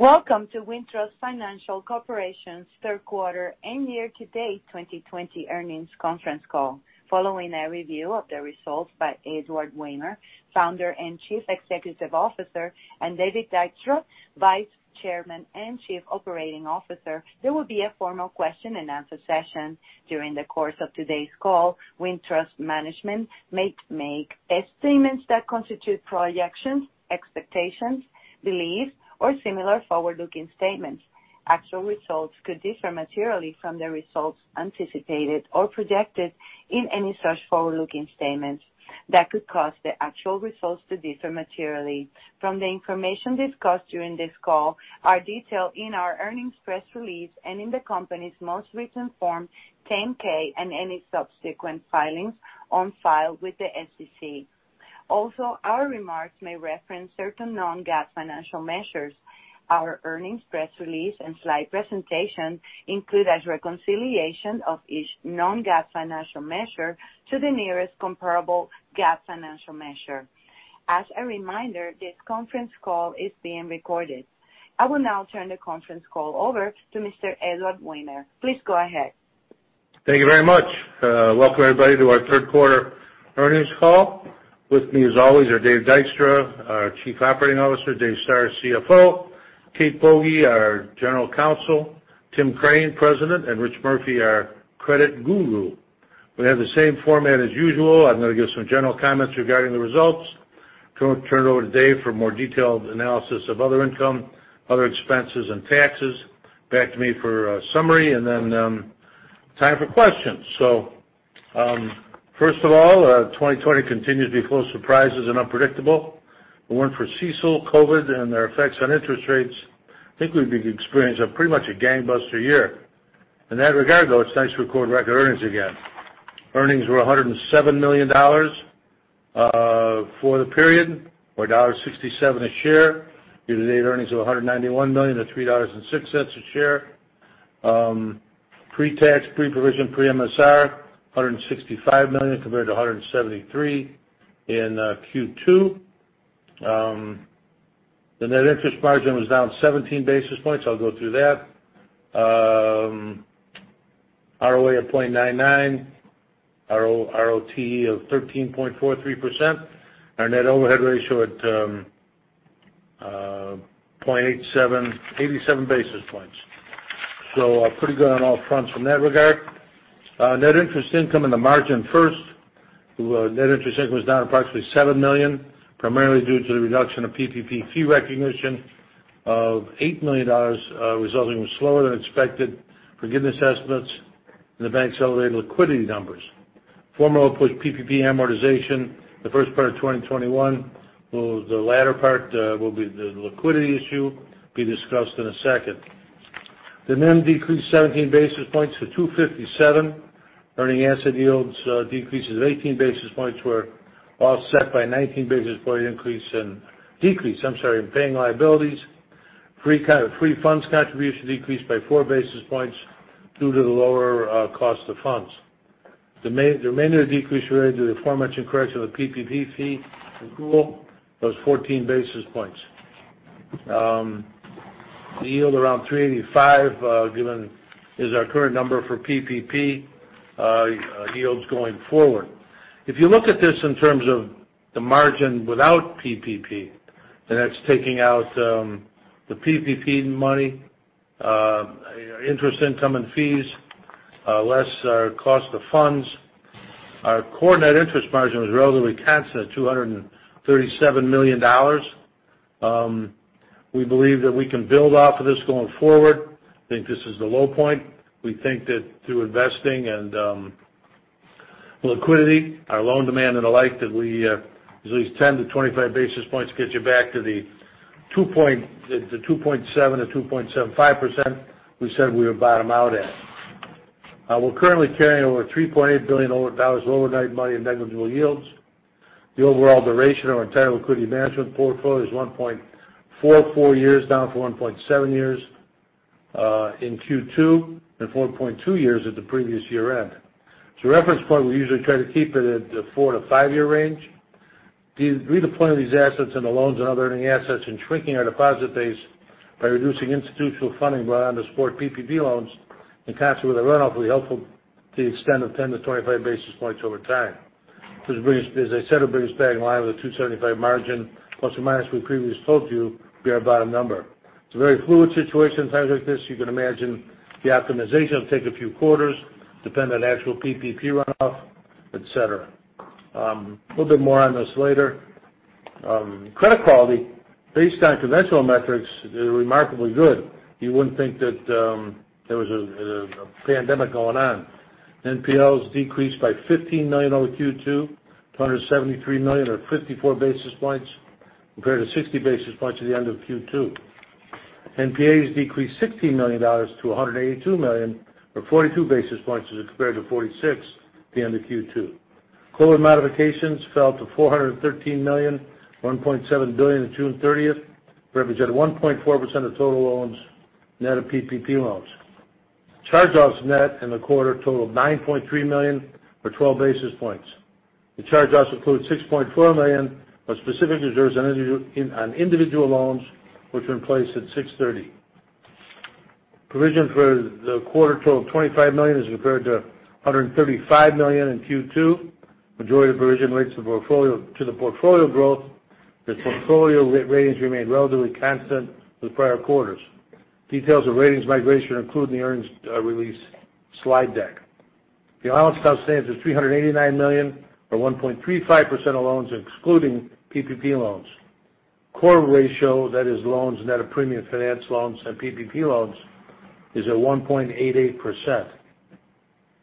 Welcome to Wintrust Financial Corporation's Q3 and year-to-date 2020 earnings conference call. Following a review of the results by Edward Wehmer, founder and chief executive officer, and David Dykstra, vice chairman and chief operating officer, there will be a formal question-and-answer session. During the course of today's call, Wintrust management may make statements that constitute projections, expectations, beliefs, or similar forward-looking statements. Actual results could differ materially from the results anticipated or projected in any such forward-looking statements that could cause the actual results to differ materially from the information discussed during this call are detailed in our earnings press release and in the company's most recent Form 10-K and any subsequent filings on file with the SEC. Also, our remarks may reference certain non-GAAP financial measures. Our earnings press release and slide presentation include as reconciliation of each non-GAAP financial measure to the nearest comparable GAAP financial measure. As a reminder, this conference call is being recorded. I will now turn the conference call over to Mr. Edward Wehmer. Please go ahead. Thank you very much. Welcome, everybody, to our Q3 earnings call. With me, as always, are Dave Dykstra, our Chief Operating Officer, Dave Stoehr, our CFO, Kate Boege, our General Counsel, Tim Crane, President, and Rich Murphy, our credit guru. We have the same format as usual. I'm going to give some general comments regarding the results. Going to turn it over to Dave for more detailed analysis of other income, other expenses, and taxes. Back to me for a summary, and then time for questions. First of all, 2020 continues to be full of surprises and unpredictable. If it weren't for CECL, COVID, and their effects on interest rates, I think we'd be experiencing pretty much a gangbuster year. In that regard, though, it's nice to record record earnings again. Earnings were $107 million for the period, or $1.67 a share. Year-to-date earnings of $191 million at $3.06 a share. Pre-tax, pre-provision, pre-MSR, $165 million compared to $173 in Q2. The net interest margin was down 17 basis points. I'll go through that. ROA of 0.99%. ROTCE of 13.43%. Our net overhead ratio at 0.87%, 87 basis points. Pretty good on all fronts from that regard. Net interest income and the margin first. Net interest income was down approximately seven million, primarily due to the reduction of PPP fee recognition of $8 million resulting from slower than expected forgiveness estimates and the bank's elevated liquidity numbers. Former output PPP amortization, the first part of 2021, the latter part will be the liquidity issue, be discussed in a second. The NIM decreased 17 basis points to 257 basis points. Earning asset yields decreases of 18 basis points were offset by 19 basis points decrease, I'm sorry, in paying liabilities. Free funds contribution decreased by four basis points due to the lower cost of funds. The remainder of the decrease related to the aforementioned correction of the PPP fee in full was 14 basis points. The yield around 385 given is our current number for PPP yields going forward. If you look at this in terms of the margin without PPP, and that's taking out the PPP money, interest income, and fees less our cost of funds, our core net interest margin was relatively constant at $237 million. We believe that we can build off of this going forward. Think this is the low point. We think that through investing and liquidity, our loan demand and the like, that at least 10 to 25 basis points gets you back to the 2.7% or 2.75% we said we would bottom out at. We're currently carrying over $3.8 billion of overnight money in negligible yields. The overall duration of our entire liquidity management portfolio is 1.44 years, down from 1.7 years in Q2 and 4.2 years at the previous year-end. As a reference point, we usually try to keep it at the 4-5 year range. Redeploying these assets into loans and other earning assets and shrinking our deposit base by reducing institutional funding borrowed to support PPP loans in concert with a runoff will be helpful to the extent of 10-25 basis points over time. As I said, it brings back in line with the 275 margin, ± we previously told you, be our bottom number. It's a very fluid situation in times like this. You can imagine the optimization will take a few quarters, depend on actual PPP runoff, et cetera. A little bit more on this later. Credit quality, based on conventional metrics, is remarkably good. You wouldn't think that there was a pandemic going on. NPLs decreased by $15 million over Q2 to $173 million, or 54 basis points, compared to 60 basis points at the end of Q2. NPAs decreased $16 million to $182 million, or 42 basis points as compared to 46 basis points at the end of Q2. COVID modifications fell to $413 million from $1.7 billion on June 30th, representing 1.4% of total loans, net of PPP loans. Charge-offs net in the quarter totaled $9.3 million, or 12 basis points. The charge-offs include $6.4 million of specific reserves on individual loans, which were in place at 630. Provision for the quarter totaled $25 million as compared to $135 million in Q2. Majority of the provision relates to the portfolio growth. The portfolio ratings remained relatively constant with prior quarters. Details of ratings migration are included in the earnings release slide deck. The allowance cost stands at $389 million, or 1.35% of loans, excluding PPP loans. Core ratio, that is loans net of premium finance loans and PPP loans, is at 1.88%.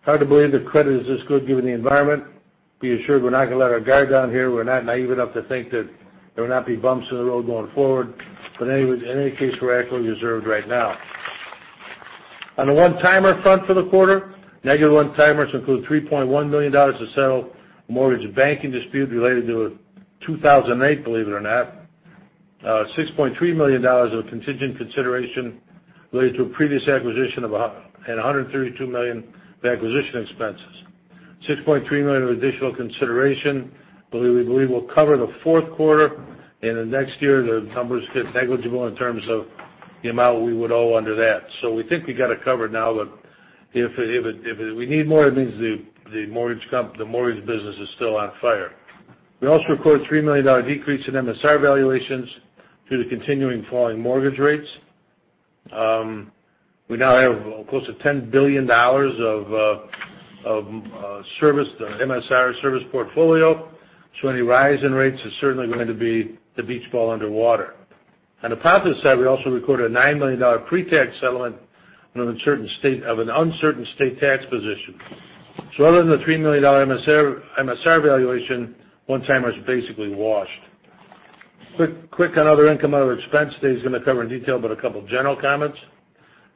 Hard to believe that credit is this good given the environment. Be assured, we're not going to let our guard down here. We're not naive enough to think that there will not be bumps in the road going forward. In any case, we're adequately reserved right now. On the one-timer front for the quarter, negative one-timers include $3.1 million to settle a mortgage banking dispute related to 2008, believe it or not. $6.3 million of contingent consideration related to a previous acquisition and $132 million of acquisition expenses. $6.3 million of additional consideration, we believe will cover the Q4. In the next year, the numbers get negligible in terms of the amount we would owe under that. We think we got it covered now, but if we need more, it means the mortgage business is still on fire. We also recorded a $3 million decrease in MSR valuations due to the continuing falling mortgage rates. We now have close to $10 billion of MSR service portfolio. Any rise in rates is certainly going to be the beach ball underwater. On the positive side, we also recorded a $9 million pretax settlement of an uncertain state tax position. Other than the $3 million MSR valuation, one-timers basically washed. Quick on other income, other expense. Dave's going to cover in detail, but a couple general comments.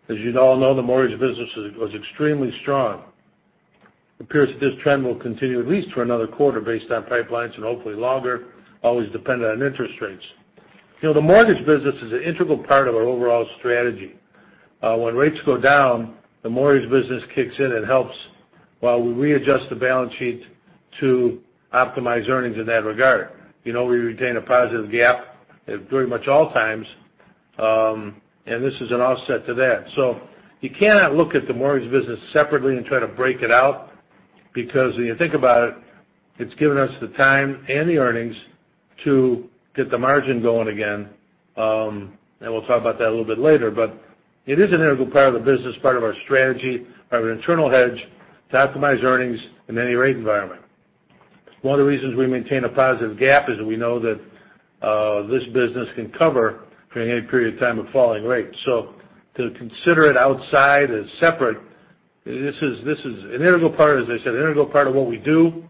As you all know, the mortgage business was extremely strong. It appears that this trend will continue at least for another quarter based on pipelines and hopefully longer, always dependent on interest rates. The mortgage business is an integral part of our overall strategy. When rates go down, the mortgage business kicks in and helps while we readjust the balance sheet to optimize earnings in that regard. We retain a positive gap at pretty much all times. This is an offset to that. You cannot look at the mortgage business separately and try to break it out because when you think about it's given us the time and the earnings to get the margin going again. We'll talk about that a little bit later. It is an integral part of the business, part of our strategy, part of an internal hedge to optimize earnings in any rate environment. One of the reasons we maintain a positive gap is that we know that this business can cover during any period of time of falling rates. To consider it outside as separate, this is, as I said, an integral part of what we do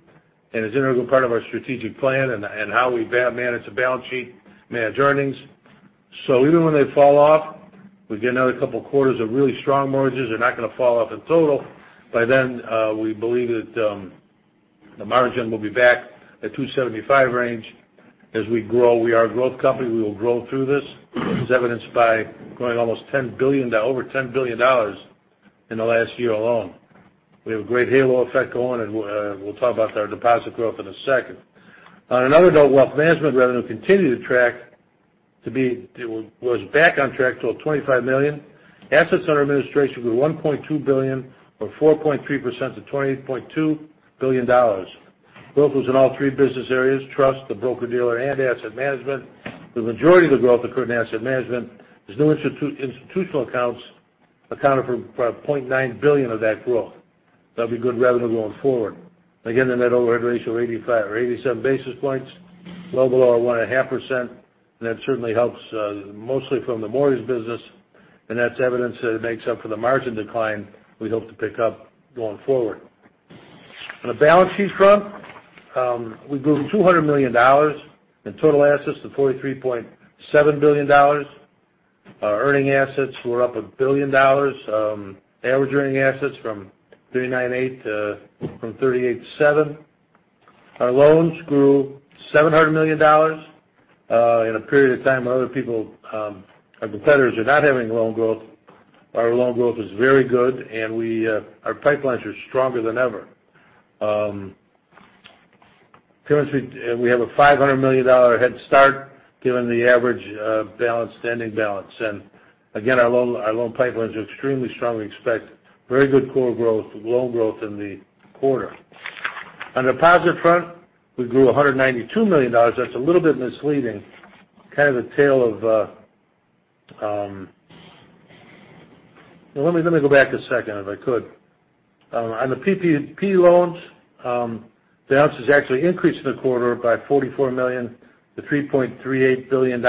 and it's an integral part of our strategic plan and how we manage the balance sheet, manage earnings. Even when they fall off, we get another couple of quarters of really strong mortgages. They're not going to fall off in total. By then, we believe that the margin will be back at 275 range as we grow. We are a growth company. We will grow through this, as evidenced by growing over $10 billion in the last year alone. We have a great halo effect going, and we'll talk about our deposit growth in a second. On another note, wealth management revenue continued to track, was back on track, totaled $25 million. Assets under administration grew $1.2 billion, or 4.3% to $28.2 billion. Growth was in all three business areas, trust, the broker-dealer, and asset management. The majority of the growth occurred in asset management as new institutional accounts accounted for $0.9 billion of that growth. That'll be good revenue going forward. Again, the net overhead ratio of 87 basis points, well below our 1.5%, and that certainly helps mostly from the mortgage business, and that's evidence that it makes up for the margin decline we hope to pick up going forward. On the balance sheet front, we grew $200 million in total assets to $43.7 billion. Our earning assets were up $1 billion. Average earning assets from $398-$387. Our loans grew $700 million in a period of time when other people, our competitors, are not having loan growth. Our loan growth is very good, our pipelines are stronger than ever. Currently, we have a $500 million head start given the average standing balance. Again, our loan pipelines are extremely strong. We expect very good core growth with loan growth in the quarter. On the deposit front, we grew $192 million. That's a little bit misleading. Let me go back a second, if I could. On the PPP loans, the balance has actually increased in the quarter by $44 million-$3.38 billion.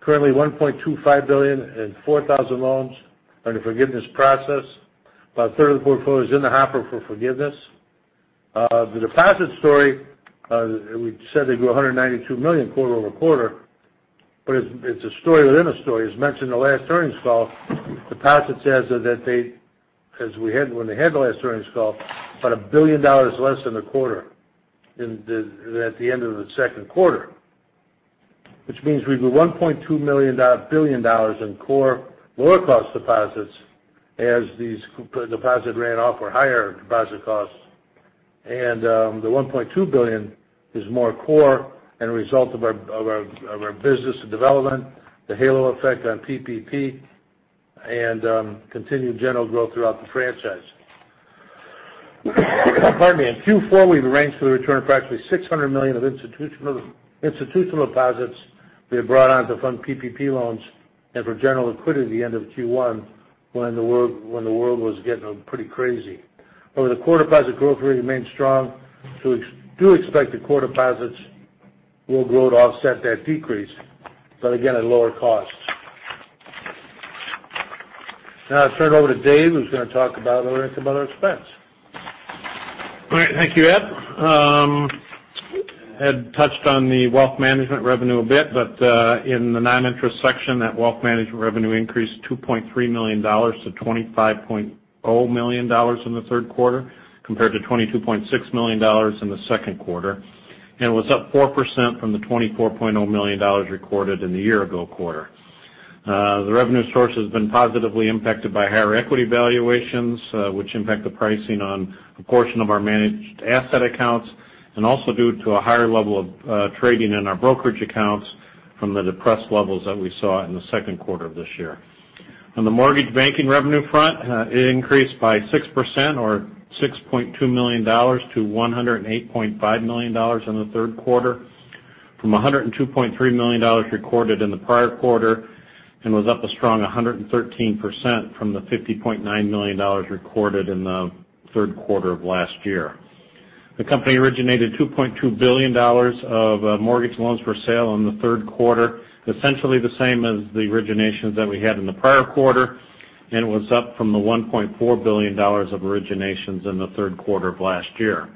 Currently, $1.25 billion and 4,000 loans are in the forgiveness process. About a third of the portfolio is in the hopper for forgiveness. The deposit story, we said they grew $192 million quarter-over-quarter, but it's a story within a story. As mentioned in the last earnings call, about $1 billion less than the quarter at the end of the Q2. which means we do $1.2 billion in core lower cost deposits as these deposits ran off or higher deposit costs. The $1.2 billion is more core and a result of our business development, the halo effect on PPP, and continued general growth throughout the franchise. Pardon me. In Q4, we've arranged for the return of approximately $600 million of institutional deposits we had brought on to fund PPP loans and for general liquidity at the end of Q1 when the world was getting pretty crazy. Over the quarter, deposit growth rate remained strong, so we do expect the core deposits will grow to offset that decrease, but again, at lower costs. Now I turn it over to Dave, who's going to talk about our income and our expense. All right. Thank you, Ed. Ed touched on the wealth management revenue a bit, but in the non-interest section, that wealth management revenue increased $2.3 million-$25.0 million in the Q3, compared to $22.6 million in the Q2. Was up 4% from the $24.0 million recorded in the year-ago quarter. The revenue source has been positively impacted by higher equity valuations, which impact the pricing on a portion of our managed asset accounts, and also due to a higher level of trading in our brokerage accounts from the depressed levels that we saw in the Q2 of this year. On the mortgage banking revenue front, it increased by 6% or $6.2 million-$108.5 million in the Q3, from $102.3 million recorded in the prior quarter. Was up a strong 113% from the $50.9 million recorded in the Q3 of last year. The company originated $2.2 billion of mortgage loans for sale in the Q3, essentially the same as the originations that we had in the prior quarter, and was up from the $1.4 billion of originations in the Q3 of last year.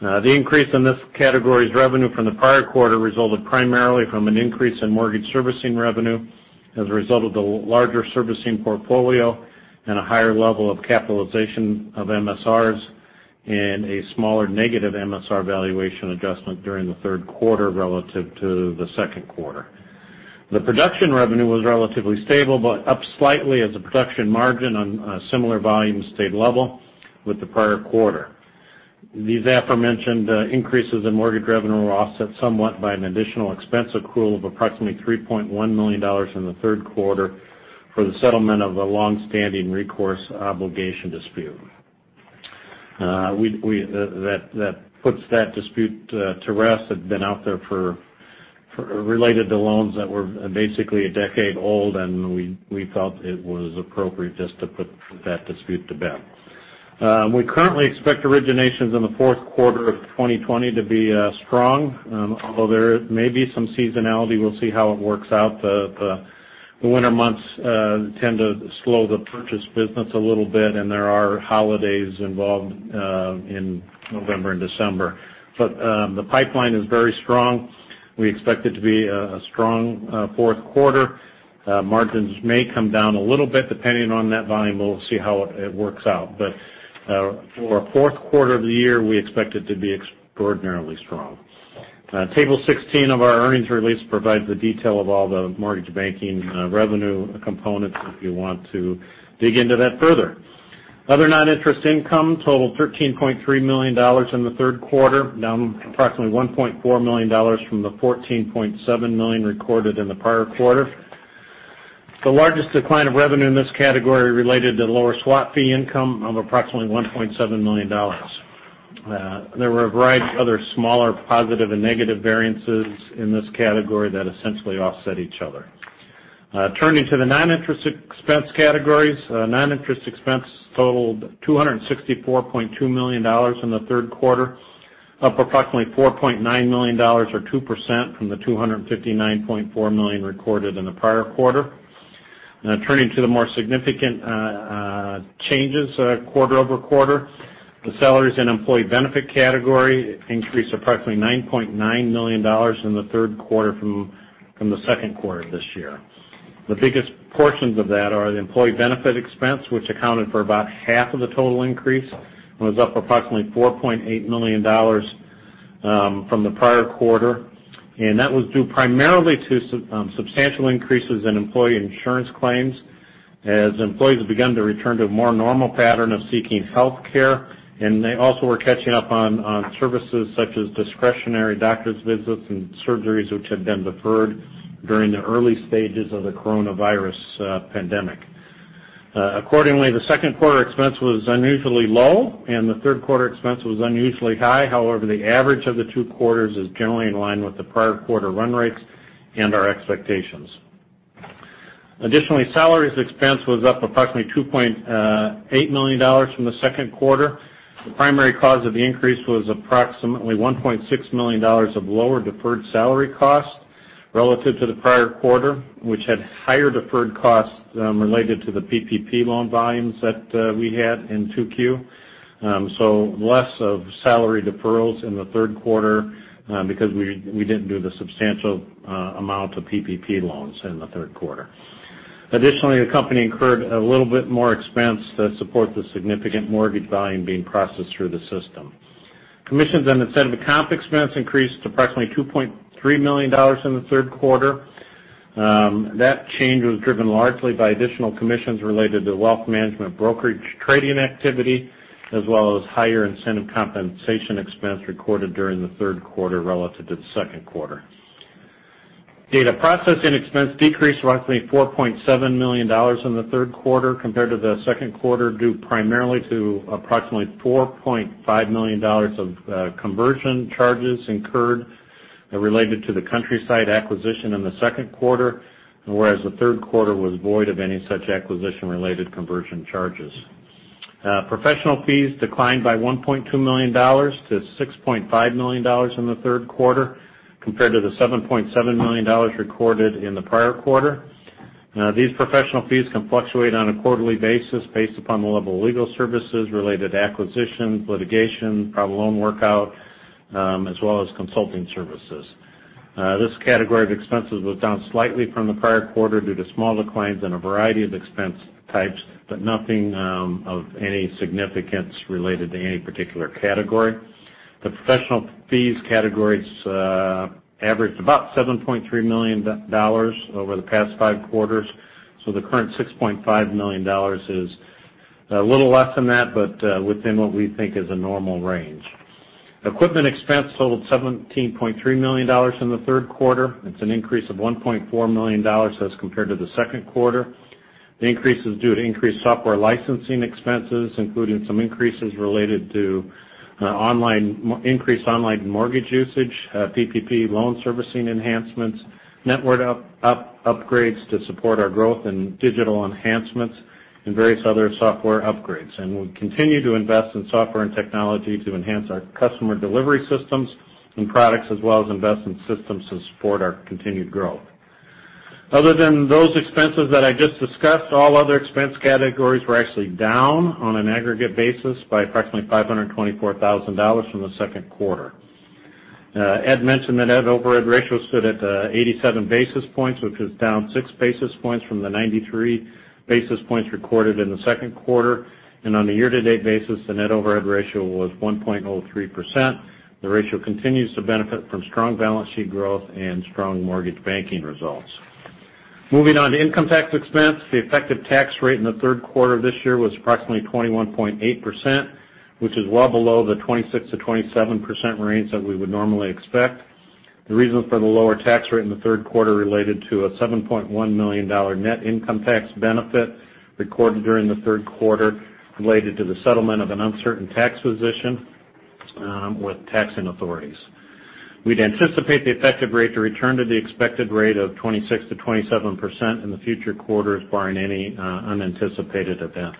The increase in this category's revenue from the prior quarter resulted primarily from an increase in mortgage servicing revenue as a result of the larger servicing portfolio and a higher level of capitalization of MSRs, and a smaller negative MSR valuation adjustment during the Q3 relative to the Q2. The production revenue was relatively stable but up slightly as the production margin on a similar volume stayed level with the prior quarter. These aforementioned increases in mortgage revenue were offset somewhat by an additional expense accrual of approximately $3.1 million in the Q3 for the settlement of a longstanding recourse obligation dispute. That puts that dispute to rest. It had been out there related to loans that were basically a decade old, and we felt it was appropriate just to put that dispute to bed. We currently expect originations in the Q4 of 2020 to be strong. There may be some seasonality. We'll see how it works out. The winter months tend to slow the purchase business a little bit, and there are holidays involved in November and December. The pipeline is very strong. We expect it to be a strong Q4. Margins may come down a little bit depending on that volume. We'll see how it works out. For our Q4 of the year, we expect it to be extraordinarily strong. Table 16 of our earnings release provides the detail of all the mortgage banking revenue components if you want to dig into that further. Other non-interest income totaled $13.3 million in the Q3, down approximately $1.4 million from the $14.7 million recorded in the prior quarter. The largest decline of revenue in this category related to lower swap fee income of approximately $1.7 million. There were a variety of other smaller positive and negative variances in this category that essentially offset each other. Turning to the non-interest expense categories. Non-interest expense totaled $264.2 million in the Q3, up approximately $4.9 million or 2% from the $259.4 million recorded in the prior quarter. Now turning to the more significant changes quarter-over-quarter. The salaries and employee benefit category increased approximately $9.9 million in the Q3 from the Q2 this year. The biggest portions of that are the employee benefit expense, which accounted for about half of the total increase and was up approximately $4.8 million from the prior quarter. That was due primarily to substantial increases in employee insurance claims as employees began to return to a more normal pattern of seeking healthcare. They also were catching up on services such as discretionary doctor's visits and surgeries which had been deferred during the early stages of the coronavirus pandemic. Accordingly, the Q2 expense was unusually low and the Q3 expense was unusually high. However, the average of the two quarters is generally in line with the prior quarter run rates and our expectations. Additionally, salaries expense was up approximately $2.8 million from the Q2. The primary cause of the increase was approximately $1.6 million of lower deferred salary cost relative to the prior quarter, which had higher deferred costs related to the PPP loan volumes that we had in Q2. Less of salary deferrals in the Q3 because we didn't do the substantial amount of PPP loans in the Q3. additionally, the company incurred a little bit more expense to support the significant mortgage volume being processed through the system. Commissions and incentive comp expense increased to approximately $2.3 million in the Q3. That change was driven largely by additional commissions related to wealth management brokerage trading activity, as well as higher incentive compensation expense recorded during the Q3 relative to the Q2. Data processing expense decreased roughly $4.7 million in the Q3 compared to the Q2, due primarily to approximately $4.5 million of conversion charges incurred related to the Countryside acquisition in the Q2. The Q3 was void of any such acquisition-related conversion charges. Professional fees declined by $1.2 million-$6.5 million in the Q3, compared to the $7.7 million recorded in the prior quarter. These professional fees can fluctuate on a quarterly basis based upon the level of legal services related to acquisitions, litigation, problem loan workout, as well as consulting services. This category of expenses was down slightly from the prior quarter due to small declines in a variety of expense types, but nothing of any significance related to any particular category. The professional fees categories averaged about $7.3 million over the past five quarters. The current $6.5 million is a little less than that, but within what we think is a normal range. Equipment expense totaled $17.3 million in the Q3. It's an increase of $1.4 million as compared to the Q2. The increase is due to increased software licensing expenses, including some increases related to increased online mortgage usage, PPP loan servicing enhancements, network upgrades to support our growth and digital enhancements, and various other software upgrades. We continue to invest in software and technology to enhance our customer delivery systems and products, as well as invest in systems to support our continued growth. Other than those expenses that I just discussed, all other expense categories were actually down on an aggregate basis by approximately $524,000 from the Q2. Ed mentioned that net overhead ratio stood at 87 basis points, which is down six basis points from the 93 basis points recorded in the Q2. On a year-to-date basis, the net overhead ratio was 1.03%. The ratio continues to benefit from strong balance sheet growth and strong mortgage banking results. Moving on to income tax expense. The effective tax rate in the Q3 of this year was approximately 21.8%, which is well below the 26%-27% range that we would normally expect. The reason for the lower tax rate in the Q3 related to a $7.1 million net income tax benefit recorded during the Q3 related to the settlement of an uncertain tax position with taxing authorities. We'd anticipate the effective rate to return to the expected rate of 26%-27% in the future quarters, barring any unanticipated events.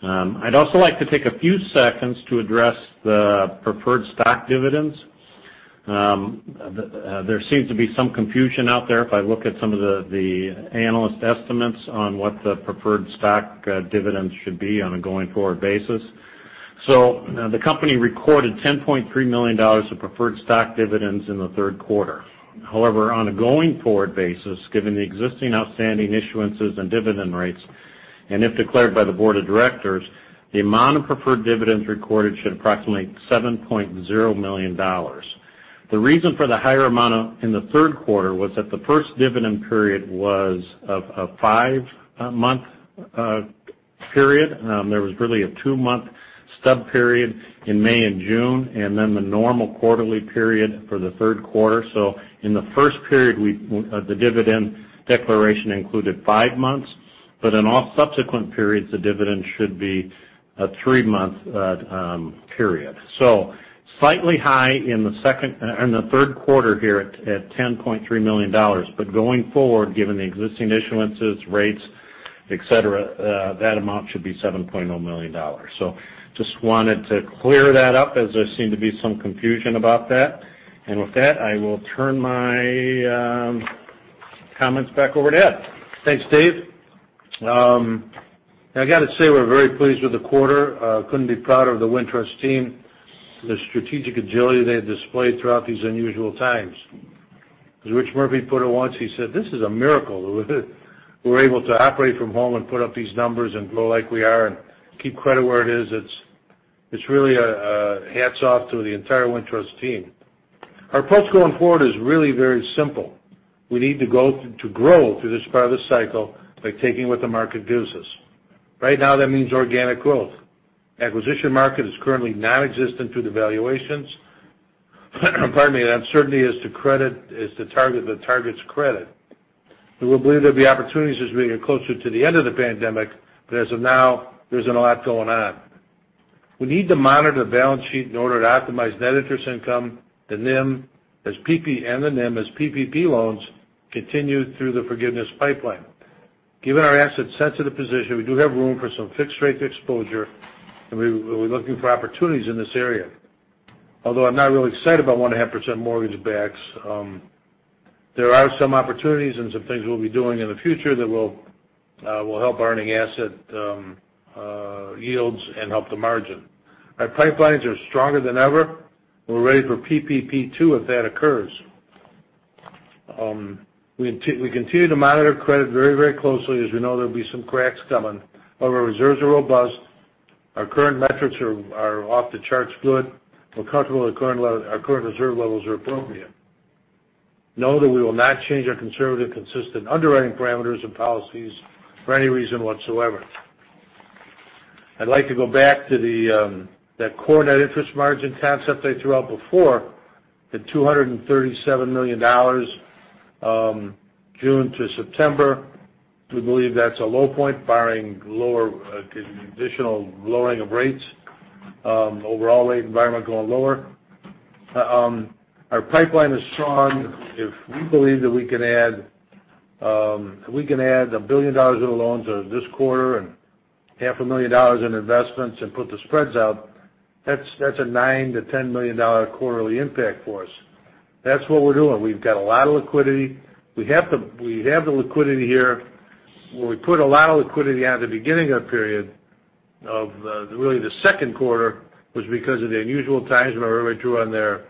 I'd also like to take a few seconds to address the preferred stock dividends. There seems to be some confusion out there if I look at some of the analyst estimates on what the preferred stock dividends should be on a going-forward basis. The company recorded $10.3 million of preferred stock dividends in the Q3. However, on a going-forward basis, given the existing outstanding issuances and dividend rates, and if declared by the board of directors, the amount of preferred dividends recorded should approximately $7.0 million. The reason for the higher amount in the Q3 was that the first dividend period was of a five-month period. There was really a two-month stub period in May and June, and then the normal quarterly period for the Q3. In the first period, the dividend declaration included five months, but in all subsequent periods, the dividend should be a three-month period. Slightly high in the Q3 here at $10.3 million. Going forward, given the existing issuances, rates, et cetera, that amount should be $7.0 million. Just wanted to clear that up as there seemed to be some confusion about that. With that, I will turn my comments back over to Ed. Thanks, Dave. I got to say, we're very pleased with the quarter. Couldn't be prouder of the Wintrust team, the strategic agility they had displayed throughout these unusual times. As Rich Murphy put it once, he said, "This is a miracle." We're able to operate from home and put up these numbers and grow like we are and keep credit where it is. It's really hats off to the entire Wintrust team. Our approach going forward is really very simple. We need to grow through this part of the cycle by taking what the market gives us. Right now, that means organic growth. Acquisition market is currently nonexistent due to valuations. Pardon me. The uncertainty is to target the target's credit. We believe there'll be opportunities as we get closer to the end of the pandemic, but as of now, there isn't a lot going on. We need to monitor the balance sheet in order to optimize net interest income, the NIM, and the NIM as PPP loans continue through the forgiveness pipeline. Given our asset-sensitive position, we do have room for some fixed rate exposure, and we're looking for opportunities in this area. Although I'm not really excited about one and a half % mortgage backs, there are some opportunities and some things we'll be doing in the future that will help earning asset yields and help the margin. Our pipelines are stronger than ever. We're ready for PPP2 if that occurs. We continue to monitor credit very closely, as we know there'll be some cracks coming. Reserves are robust. Our current metrics are off-the-charts good. We're comfortable that our current reserve levels are appropriate. Know that we will not change our conservative, consistent underwriting parameters and policies for any reason whatsoever. I'd like to go back to that core net interest margin concept I threw out before, the $237 million, June to September. We believe that's a low point, barring lower additional lowering of rates. Overall rate environment going lower. Our pipeline is strong. If we believe that we can add $1 billion in loans this quarter and half a million dollars in investments and put the spreads out, that's a $9 million-$10 million quarterly impact for us. That's what we're doing. We've got a lot of liquidity. We have the liquidity here. When we put a lot of liquidity on at the beginning of the period of really the Q2, was because of the unusual times when everybody drew on their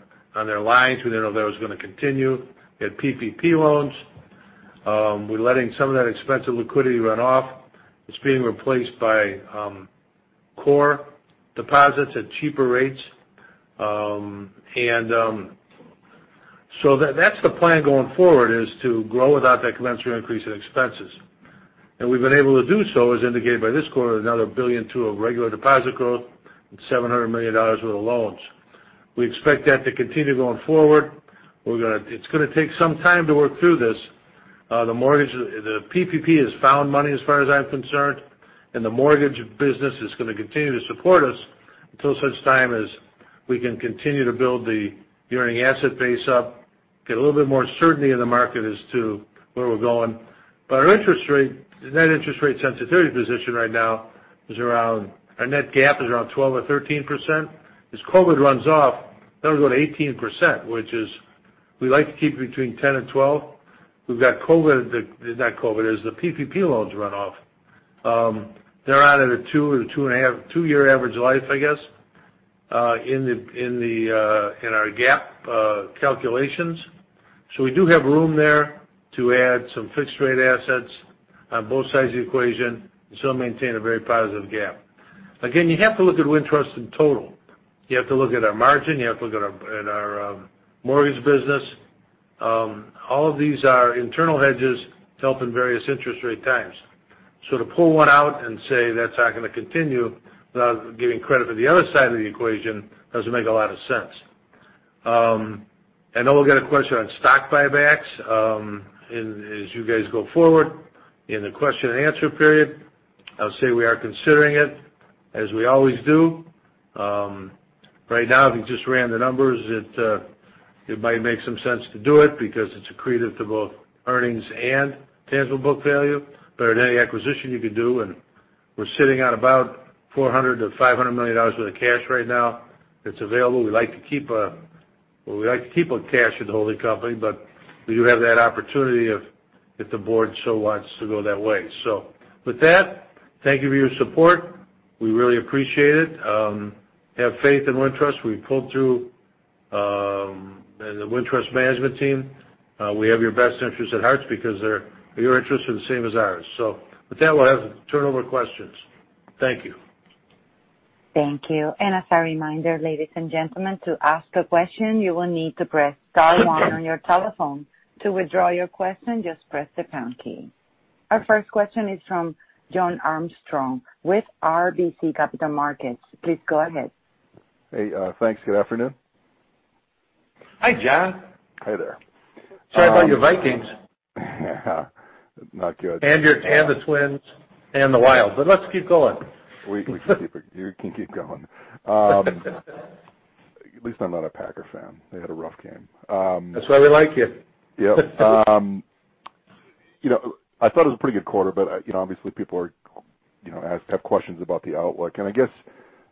lines. We didn't know if that was going to continue. We had PPP loans. We're letting some of that expensive liquidity run off. It's being replaced by core deposits at cheaper rates. That's the plan going forward, is to grow without that commensurate increase in expenses. We've been able to do so, as indicated by this quarter, another $1.2 billion of regular deposit growth and $700 million worth of loans. We expect that to continue going forward. It's going to take some time to work through this. The PPP is found money as far as I'm concerned, and the mortgage business is going to continue to support us until such time as we can continue to build the earning asset base up, get a little bit more certainty in the market as to where we're going. Our net interest rate sensitivity position right now is around, our net gap is around 12% or 13%. As COVID runs off, that'll go to 18%, which is we like to keep between 10% and 12%. We've got COVID, not COVID, as the PPP loans run off. They're out at a two-year average life, I guess, in our GAAP calculations. We do have room there to add some fixed rate assets on both sides of the equation and still maintain a very positive gap. Again, you have to look at Wintrust in total. You have to look at our margin. You have to look at our mortgage business. All of these are internal hedges to help in various interest rate times. To pull one out and say that's not going to continue without giving credit for the other side of the equation doesn't make a lot of sense. I know we'll get a question on stock buybacks. As you guys go forward in the question and answer period, I'll say we are considering it, as we always do. Right now, we just ran the numbers. It might make some sense to do it because it's accretive to both earnings and tangible book value. Better than any acquisition you could do, we're sitting at about $400 million-$500 million worth of cash right now that's available. We like to keep cash in the holding company, but we do have that opportunity if the board so wants to go that way. With that, thank you for your support. We really appreciate it. Have faith in Wintrust. We've pulled through. The Wintrust management team, we have your best interests at heart because your interests are the same as ours. With that, we'll turn over questions. Thank you. Thank you. As a reminder, ladies and gentlemen, to ask a question, you will need to press *1 on your telephone. To withdraw your question, just press the # key. Our first question is from Jon Arfstrom with RBC Capital Markets. Please go ahead. Hey, thanks. Good afternoon. Hi, Jon. Hi there. Sorry about your Vikings. Not good. The Twins and the Wild, but let's keep going. We can keep it. You can keep going. At least I'm not a Packers fan. They had a rough game. That's why we like you. Yeah. I thought it was a pretty good quarter, but obviously people have questions about the outlook. I guess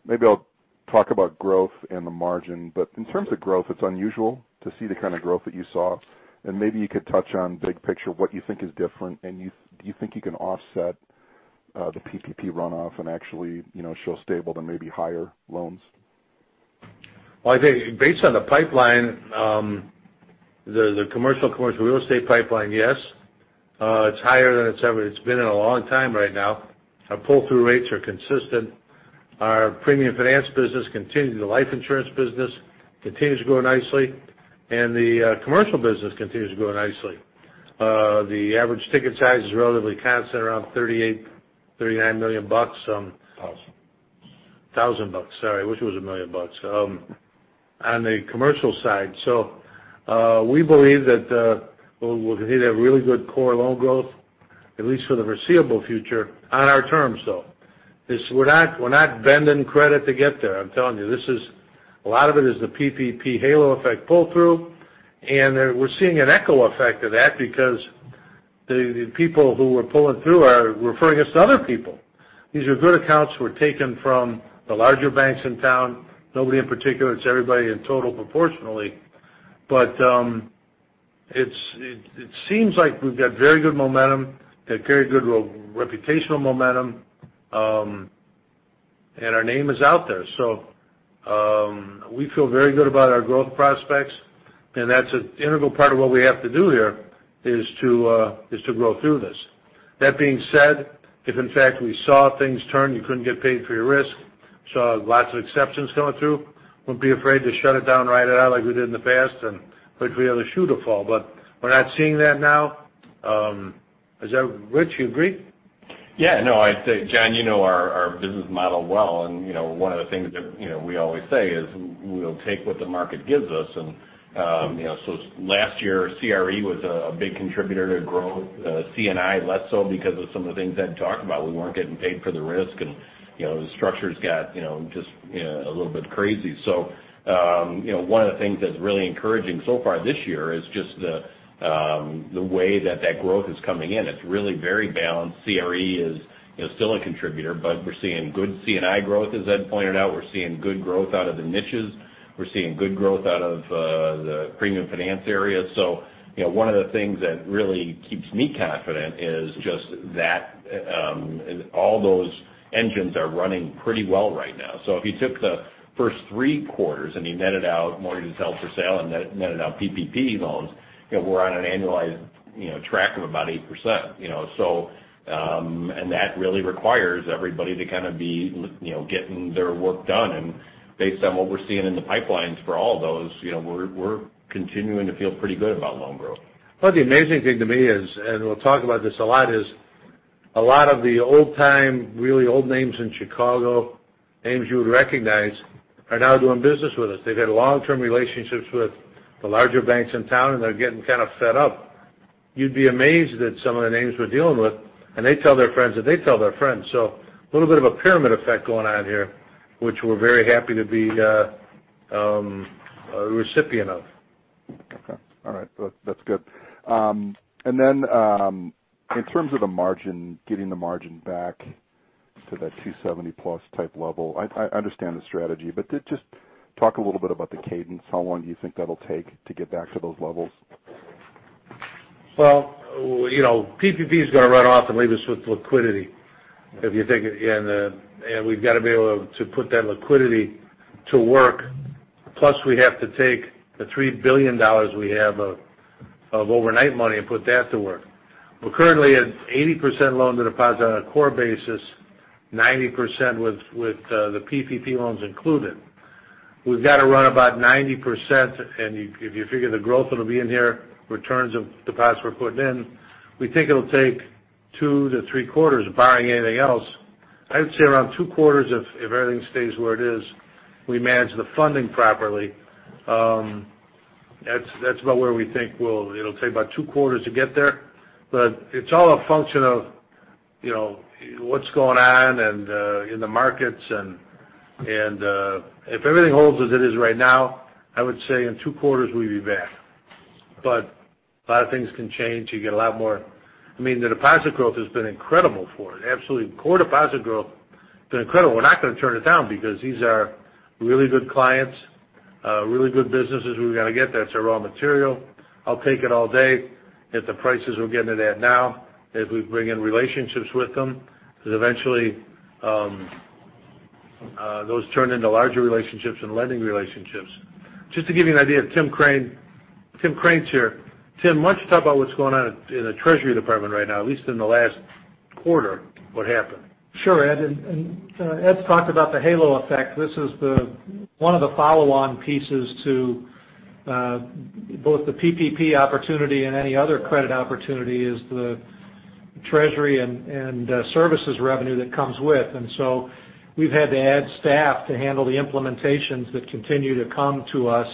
maybe I'll talk about growth and the margin. In terms of growth, it's unusual to see the kind of growth that you saw. Maybe you could touch on big picture what you think is different, and do you think you can offset the PPP runoff and actually show stable to maybe higher loans? Well, I think based on the pipeline, the commercial real estate pipeline, yes. It's higher than it's ever been in a long time right now. Our pull-through rates are consistent. Our premium finance business continues. The life insurance business continues to grow nicely, and the commercial business continues to grow nicely. The average ticket size is relatively constant, around $38 million-$39 million. Thousand. $1,000, sorry. I wish it was $1 million. On the commercial side. We believe that we'll continue to have really good core loan growth, at least for the foreseeable future, on our terms, though. We're not bending credit to get there. I'm telling you. A lot of it is the PPP halo effect pull-through. We're seeing an echo effect of that because the people who we're pulling through are referring us to other people. These are good accounts who were taken from the larger banks in town. Nobody in particular. It's everybody in total, proportionately. It seems like we've got very good momentum, got very good reputational momentum, and our name is out there. We feel very good about our growth prospects, and that's an integral part of what we have to do here, is to grow through this. That being said, if in fact we saw things turn, you couldn't get paid for your risk, saw lots of exceptions coming through, wouldn't be afraid to shut it down right out like we did in the past and wait for the other shoe to fall. We're not seeing that now. Rich, you agree? Yeah. No, I'd say, Jon, you know our business model well, and one of the things that we always say is we'll take what the market gives us. Last year, CRE was a big contributor to growth. C&I, less so because of some of the things Ed talked about. We weren't getting paid for the risk, and the structures got just a little bit crazy. One of the things that's really encouraging so far this year is just the way that that growth is coming in. It's really very balanced. CRE is still a contributor, but we're seeing good C&I growth, as Ed pointed out. We're seeing good growth out of the niches. We're seeing good growth out of the premium finance area. One of the things that really keeps me confident is just that all those engines are running pretty well right now. If you took the first three quarters and you netted out mortgage and held for sale and netted out PPP loans, we're on an annualized track of about 8%. That really requires everybody to kind of be getting their work done. Based on what we're seeing in the pipelines for all of those, we're continuing to feel pretty good about loan growth. The amazing thing to me is, and we'll talk about this a lot, is a lot of the old time, really old names in Chicago, names you would recognize, are now doing business with us. They've had long-term relationships with the larger banks in town, and they're getting kind of fed up. You'd be amazed at some of the names we're dealing with, and they tell their friends that they tell their friends. A little bit of a pyramid effect going on here, which we're very happy to be a recipient of. Okay. All right. That's good. In terms of the margin, getting the margin back to that 270 plus type level, I understand the strategy, just talk a little bit about the cadence. How long do you think that'll take to get back to those levels? Well, PPP is going to run off and leave us with liquidity. We've got to be able to put that liquidity to work. Plus, we have to take the $3 billion we have of overnight money and put that to work. We're currently at 80% loans and deposits on a core basis, 90% with the PPP loans included. We've got to run about 90%, if you figure the growth that'll be in here, returns of deposits we're putting in, we think it'll take 2-3 quarters, barring anything else. I would say around 2 quarters if everything stays where it is, we manage the funding properly. That's about where we think it'll take about 2 quarters to get there. It's all a function of what's going on and in the markets. If everything holds as it is right now, I would say in two quarters we'd be back. A lot of things can change. The deposit growth has been incredible for it. Absolutely core deposit growth been incredible. We're not going to turn it down because these are really good clients, really good businesses we've got to get. That's our raw material. I'll take it all day if the prices we're getting it at now, if we bring in relationships with them, because eventually those turn into larger relationships and lending relationships. Just to give you an idea, Tim Crane's here. Tim, why don't you talk about what's going on in the treasury department right now, at least in the last quarter, what happened? Sure, Ed. Ed's talked about the halo effect. This is one of the follow-on pieces to both the PPP opportunity and any other credit opportunity is the treasury and services revenue that comes with. We've had to add staff to handle the implementations that continue to come to us,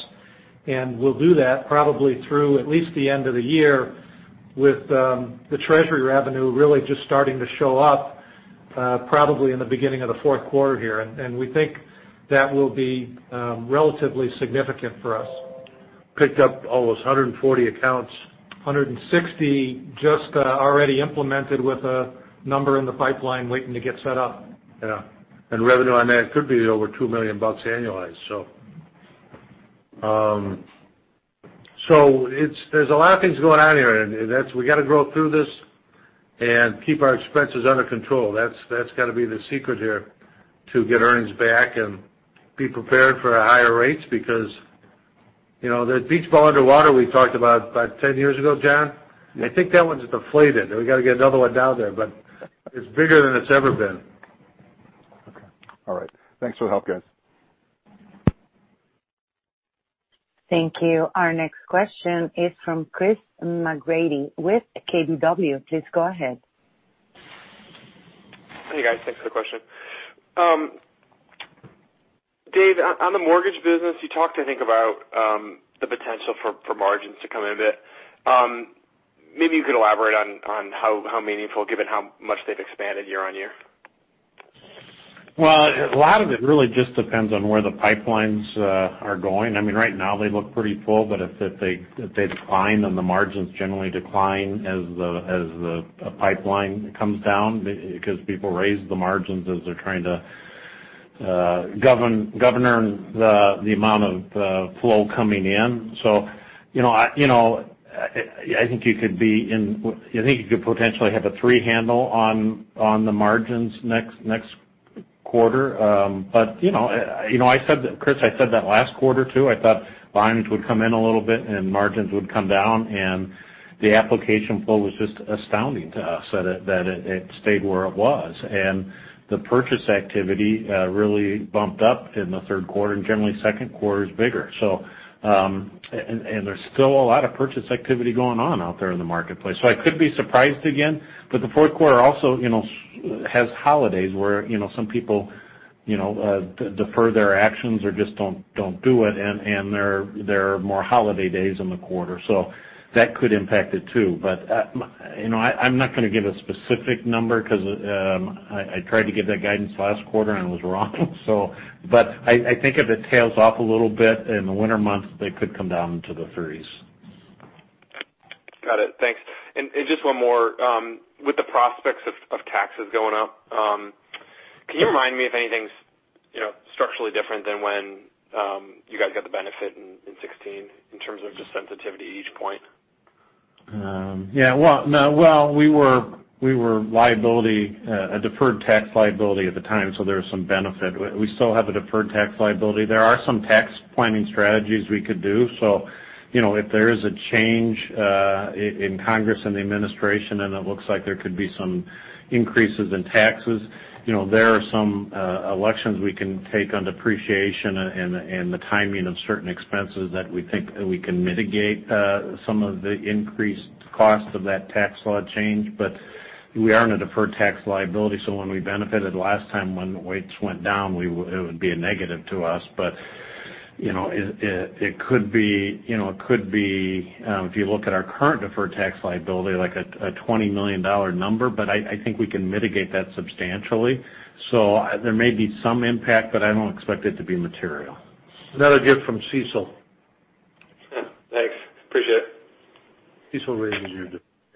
and we'll do that probably through at least the end of the year with the treasury revenue really just starting to show up probably in the beginning of the Q4 here. We think that will be relatively significant for us. Picked up almost 140 accounts. 160 just already implemented with a number in the pipeline waiting to get set up. Yeah. Revenue on that could be over $2 million annualized. There's a lot of things going on here, and we got to grow through this and keep our expenses under control. That's got to be the secret here to get earnings back and be prepared for higher rates because that beach ball underwater we talked about 10 years ago, Jon? Yeah. I think that one's deflated. We got to get another one down there. It's bigger than it's ever been. Okay. All right. Thanks for the help, guys. Thank you. Our next question is from Chris McGratty with KBW. Please go ahead. Hey, guys. Thanks for the question. Dave, on the mortgage business, you talked, I think, about the potential for margins to come in a bit. Maybe you could elaborate on how meaningful, given how much they've expanded year-on-year. Well, a lot of it really just depends on where the pipelines are going. Right now they look pretty full, but if they decline, then the margins generally decline as the pipeline comes down because people raise the margins as they're trying to. governor the amount of flow coming in. I think you could potentially have a three handle on the margins next quarter. Chris, I said that last quarter, too. I thought volumes would come in a little bit and margins would come down, and the application flow was just astounding to us that it stayed where it was. The purchase activity really bumped up in the Q3, and generally, Q2 is bigger. There's still a lot of purchase activity going on out there in the marketplace. I could be surprised again. The Q4 also has holidays where some people defer their actions or just don't do it, and there are more holiday days in the quarter, so that could impact it, too. I'm not going to give a specific number because I tried to give that guidance last quarter and it was wrong. I think if it tails off a little bit in the winter months, they could come down into the threes. Got it. Thanks. Just one more. With the prospects of taxes going up, can you remind me if anything's structurally different than when you guys got the benefit in 2016 in terms of just sensitivity at each point? Well, we were a deferred tax liability at the time, so there was some benefit. We still have a deferred tax liability. There are some tax planning strategies we could do. If there is a change in Congress and the Administration, and it looks like there could be some increases in taxes, there are some elections we can take on depreciation and the timing of certain expenses that we think we can mitigate some of the increased cost of that tax law change. We are on a deferred tax liability, so when we benefited last time when the rates went down, it would be a negative to us. It could be, if you look at our current deferred tax liability, like a $20 million number. I think we can mitigate that substantially. There may be some impact, but I don't expect it to be material. Another gift from CECL. Thanks. Appreciate it. CECL raises your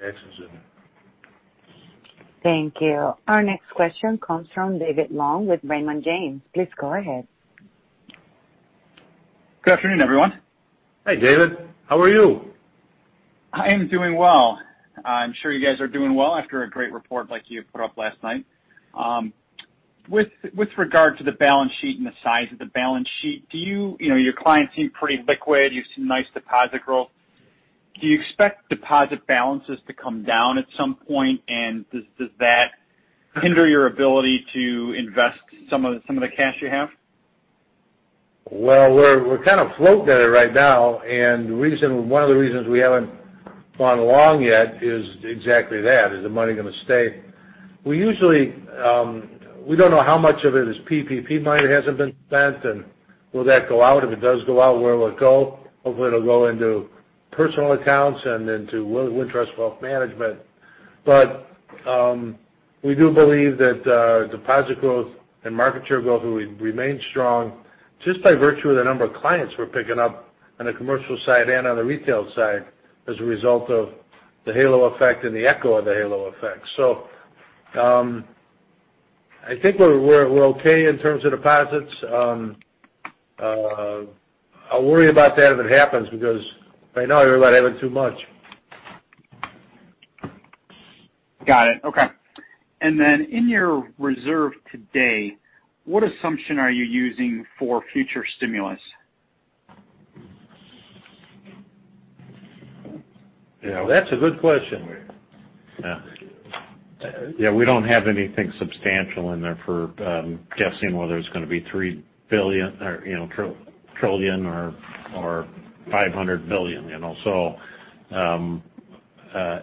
taxes. Thank you. Our next question comes from David Long with Raymond James. Please go ahead. Good afternoon, everyone. Hi, David. How are you? I am doing well. I'm sure you guys are doing well after a great report like you put up last night. With regard to the balance sheet and the size of the balance sheet, your clients seem pretty liquid. You've seen nice deposit growth. Do you expect deposit balances to come down at some point? Does that hinder your ability to invest some of the cash you have? Well, we're kind of float data right now. One of the reasons we haven't gone along yet is exactly that. Is the money going to stay? We don't know how much of it is PPP money that hasn't been spent. Will that go out? If it does go out, where will it go? Hopefully, it'll go into personal accounts and into Wintrust Wealth Management. We do believe that deposit growth and market share growth will remain strong just by virtue of the number of clients we're picking up on the commercial side and on the retail side as a result of the halo effect and the echo of the halo effect. I think we're okay in terms of deposits. I'll worry about that if it happens because right now I worry about having too much. Got it. Okay. In your reserve today, what assumption are you using for future stimulus? Yeah, that's a good question. Yeah, we don't have anything substantial in there for guessing whether it's going to be $3 trillion or $500 billion.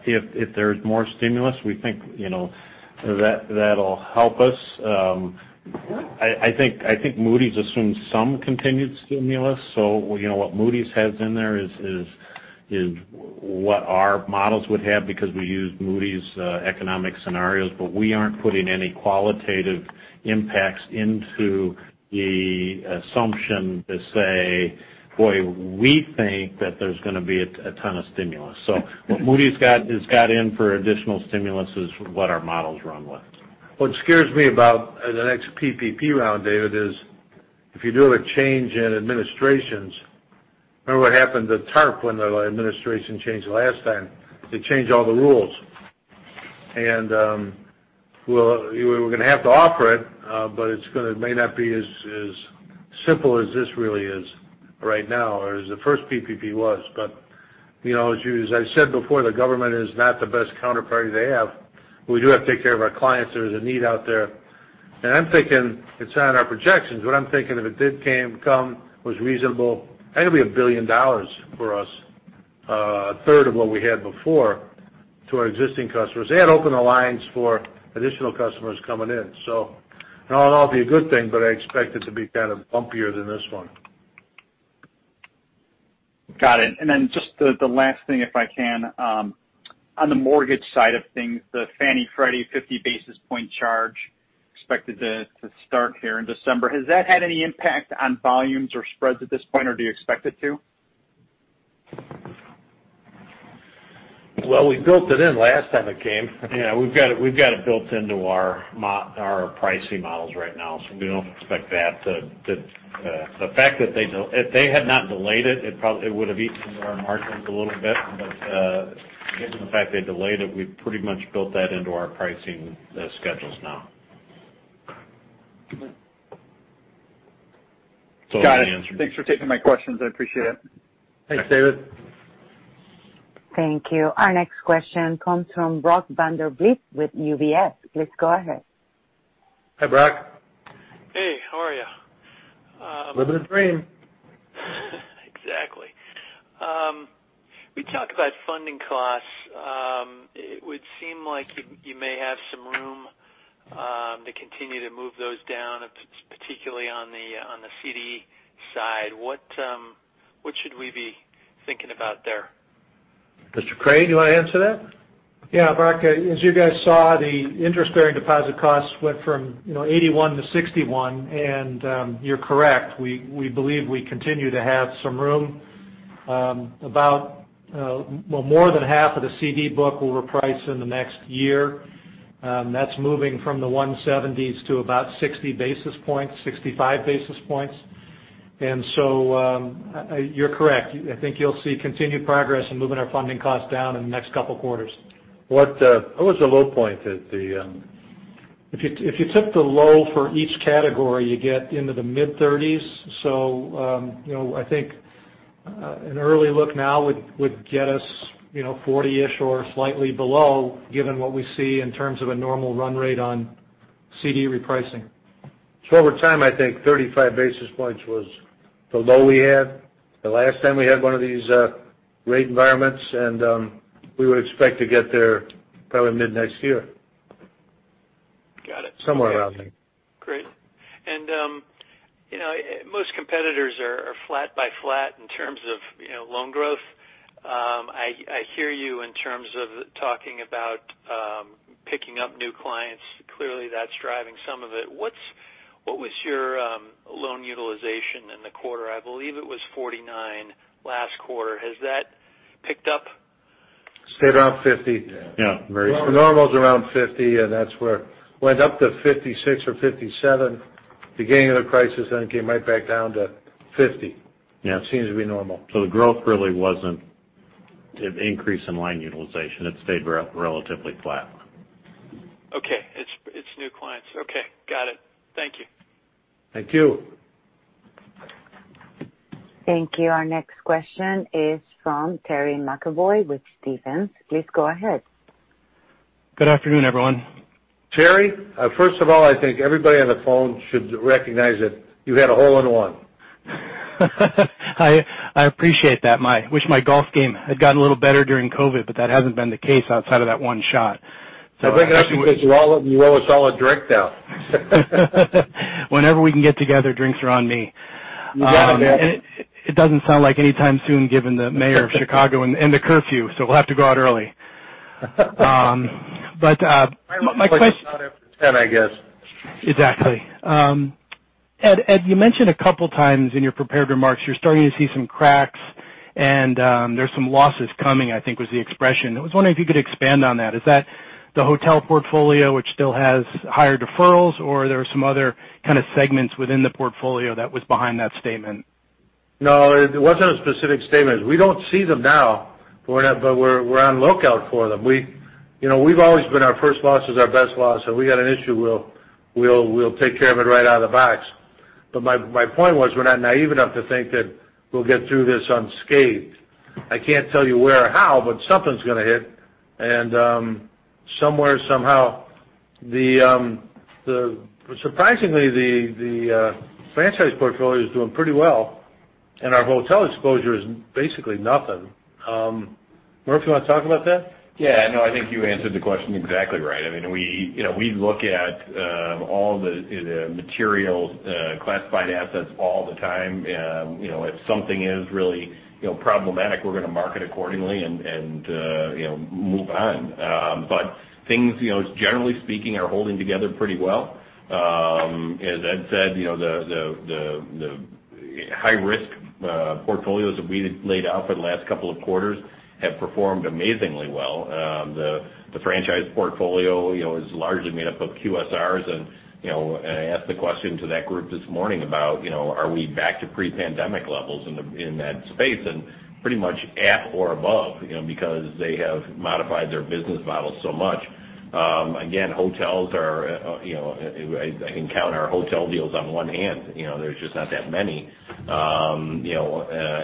If there's more stimulus, we think that'll help us. I think Moody's assumes some continued stimulus. What Moody's has in there is what our models would have because we use Moody's economic scenarios. We aren't putting any qualitative impacts into the assumption to say, boy, we think that there's going to be a ton of stimulus. What Moody's has got in for additional stimulus is what our models run with. What scares me about the next PPP round, David, is if you do have a change in administrations. Remember what happened to TARP when the administration changed last time? They changed all the rules. We're going to have to offer it, but it may not be as simple as this really is right now, or as the first PPP was. As I said before, the government is not the best counterparty they have. We do have to take care of our clients. There is a need out there. I'm thinking, it's not in our projections. What I'm thinking, if it did come, was reasonable, I think it'll be $1 billion for us, a third of what we had before, to our existing customers. They had opened the lines for additional customers coming in. It'll all be a good thing, but I expect it to be kind of bumpier than this one. Got it. Just the last thing, if I can. On the mortgage side of things, the Fannie/Freddie 50 basis point charge expected to start here in December. Has that had any impact on volumes or spreads at this point, or do you expect it to? Well, we built it in last time it came. Yeah, we've got it built into our pricing models right now. We don't expect that. If they had not delayed it would've eaten into our margins a little bit. Given the fact they delayed it, we've pretty much built that into our pricing schedules now. Got it. Does that answer- Thanks for taking my questions. I appreciate it. Thanks, David. Thank you. Our next question comes from Brock Vandervliet with UBS. Please go ahead. Hi, Brock. Hey, how are you? Living the dream. Exactly. We talked about funding costs. It would seem like you may have some room to continue to move those down, particularly on the CD side. What should we be thinking about there? Mr. Crane, do you want to answer that? Yeah. Brock, as you guys saw, the interest-bearing deposit costs went from 81-61, and you're correct. We believe we continue to have some room. More than half of the CD book will reprice in the next year. That's moving from the 170s to about 60 basis points, 65 basis points. You're correct. I think you'll see continued progress in moving our funding costs down in the next couple of quarters. What was the low point at the. If you took the low for each category, you get into the mid-30s. I think an early look now would get us 40-ish or slightly below, given what we see in terms of a normal run rate on CD repricing. Over time, I think 35 basis points was the low we had the last time we had one of these rate environments. We would expect to get there probably mid next year. Got it. Somewhere around there. Great. Most competitors are flat by flat in terms of loan growth. I hear you in terms of talking about picking up new clients. Clearly, that's driving some of it. What was your loan utilization in the quarter? I believe it was 49 last quarter. Has that picked up? Stayed around 50. Yeah. The normal's around 50, and that's where went up to 56 or 57 beginning of the crisis, then it came right back down to 50. Yeah. It seems to be normal. The growth really wasn't an increase in line utilization. It stayed relatively flat. Okay. It's new clients. Okay. Got it. Thank you. Thank you. Thank you. Our next question is from Terry McEvoy with Stephens. Please go ahead. Good afternoon, everyone. Terry, first of all, I think everybody on the phone should recognize that you had a hole in one. I appreciate that. I wish my golf game had gotten a little better during COVID, but that hasn't been the case outside of that one shot. I think you owe us all a drink now. Whenever we can get together, drinks are on me. You got it, man. It doesn't sound like any time soon given the mayor of Chicago and the curfew, so we'll have to go out early. Sounds like it's not after 10:00, I guess. Exactly. Ed, you mentioned a couple of times in your prepared remarks, you're starting to see some cracks and there's some losses coming, I think was the expression. I was wondering if you could expand on that. Is that the hotel portfolio, which still has higher deferrals, or are there some other kind of segments within the portfolio that was behind that statement? No, it wasn't a specific statement. We don't see them now, but we're on lookout for them. We've always been our first loss is our best loss, so if we got an issue, we'll take care of it right out of the box. My point was, we're not naive enough to think that we'll get through this unscathed. I can't tell you where or how, but something's going to hit. Somewhere, somehow. Surprisingly, the franchise portfolio is doing pretty well, and our hotel exposure is basically nothing. Murph, you want to talk about that? Yeah. No, I think you answered the question exactly right. We look at all the material classified assets all the time. If something is really problematic, we're going to market accordingly and move on. Things, generally speaking, are holding together pretty well. As Ed said, the high-risk portfolios that we had laid out for the last couple of quarters have performed amazingly well. The franchise portfolio is largely made up of QSRs, and I asked the question to that group this morning about are we back to pre-pandemic levels in that space, and pretty much at or above because they have modified their business models so much. Again, I can count our hotel deals on one hand. There's just not that many.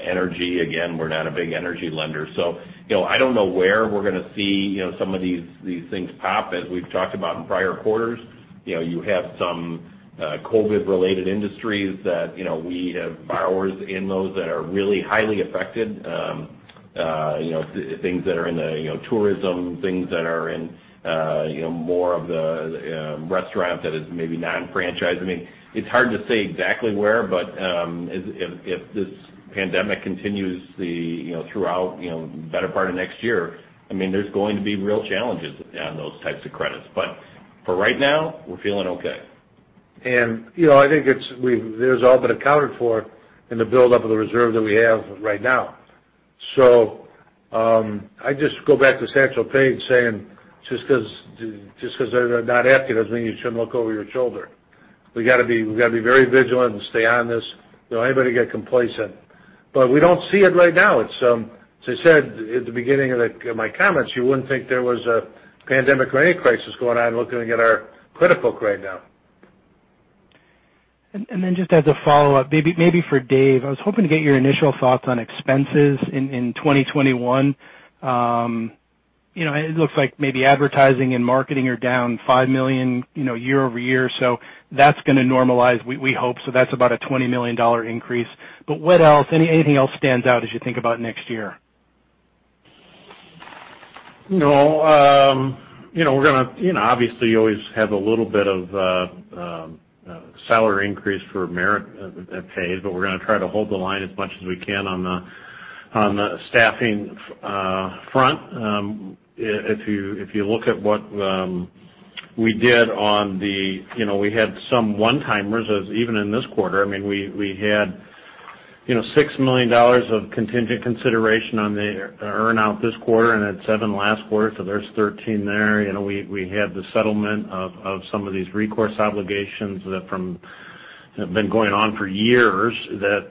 Energy, again, we're not a big energy lender. I don't know where we're going to see some of these things pop. As we've talked about in prior quarters, you have some COVID-related industries that we have borrowers in those that are really highly affected, things that are in the tourism, things that are in more of the restaurant that is maybe non-franchise. It's hard to say exactly where. If this pandemic continues throughout the better part of next year, there's going to be real challenges on those types of credits. For right now, we're feeling okay. I think there's all but accounted for in the buildup of the reserve that we have right now. I just go back to Satchel Paige saying, just because they're not after you doesn't mean you shouldn't look over your shoulder. We got to be very vigilant and stay on this. Don't anybody get complacent. We don't see it right now. As I said at the beginning of my comments, you wouldn't think there was a pandemic or any crisis going on looking at our credit book right now. Just as a follow-up, maybe for Dave, I was hoping to get your initial thoughts on expenses in 2021. It looks like maybe advertising and marketing are down $5 million year-over-year, so that's going to normalize, we hope. That's about a $20 million increase. What else? Anything else stands out as you think about next year? No. We're going to obviously always have a little bit of salary increase for merit pay, but we're going to try to hold the line as much as we can on the staffing front. We had some one-timers as even in this quarter. I mean, we had $6 million of contingent consideration on the earn out this quarter, and then seven last quarter, so there's 13 there. We had the settlement of some of these recourse obligations that have been going on for years that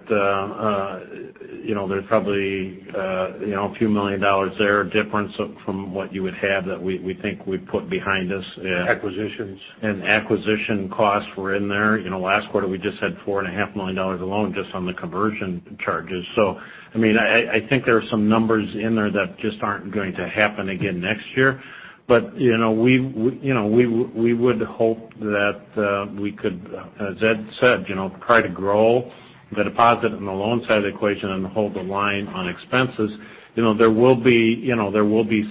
there's probably a few million dollars there difference from what you would have that we think we've put behind us. Acquisitions. Acquisition costs were in there. Last quarter, we just had $4.5 million alone just on the conversion charges. I think there are some numbers in there that just aren't going to happen again next year. We would hope that we could, as Ed said, try to grow the deposit and the loan side of the equation and hold the line on expenses. There will be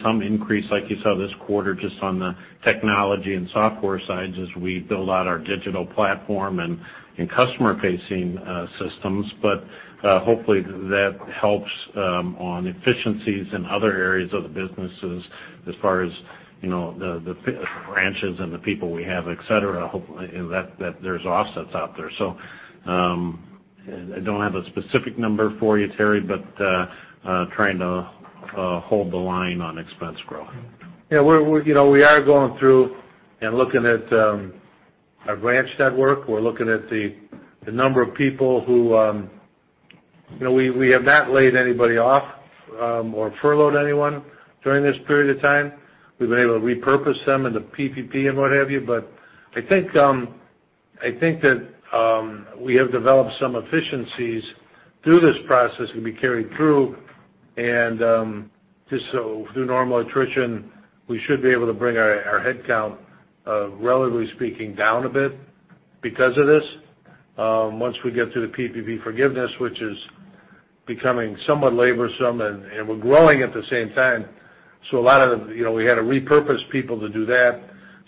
some increase like you saw this quarter just on the technology and software sides as we build out our digital platform and customer-facing systems. Hopefully, that helps on efficiencies in other areas of the businesses as far as the branches and the people we have, et cetera. Hopefully, there's offsets out there. I don't have a specific number for you, Terry, but trying to hold the line on expense growth. Yeah. We are going through and looking at our branch network. We're looking at the number of people. We have not laid anybody off or furloughed anyone during this period of time. We've been able to repurpose some in the PPP and what have you. I think that we have developed some efficiencies through this process can be carried through. Just through normal attrition, we should be able to bring our headcount, relatively speaking, down a bit because of this once we get through the PPP forgiveness, which is becoming somewhat laborsome, and we're growing at the same time. We had to repurpose people to do that.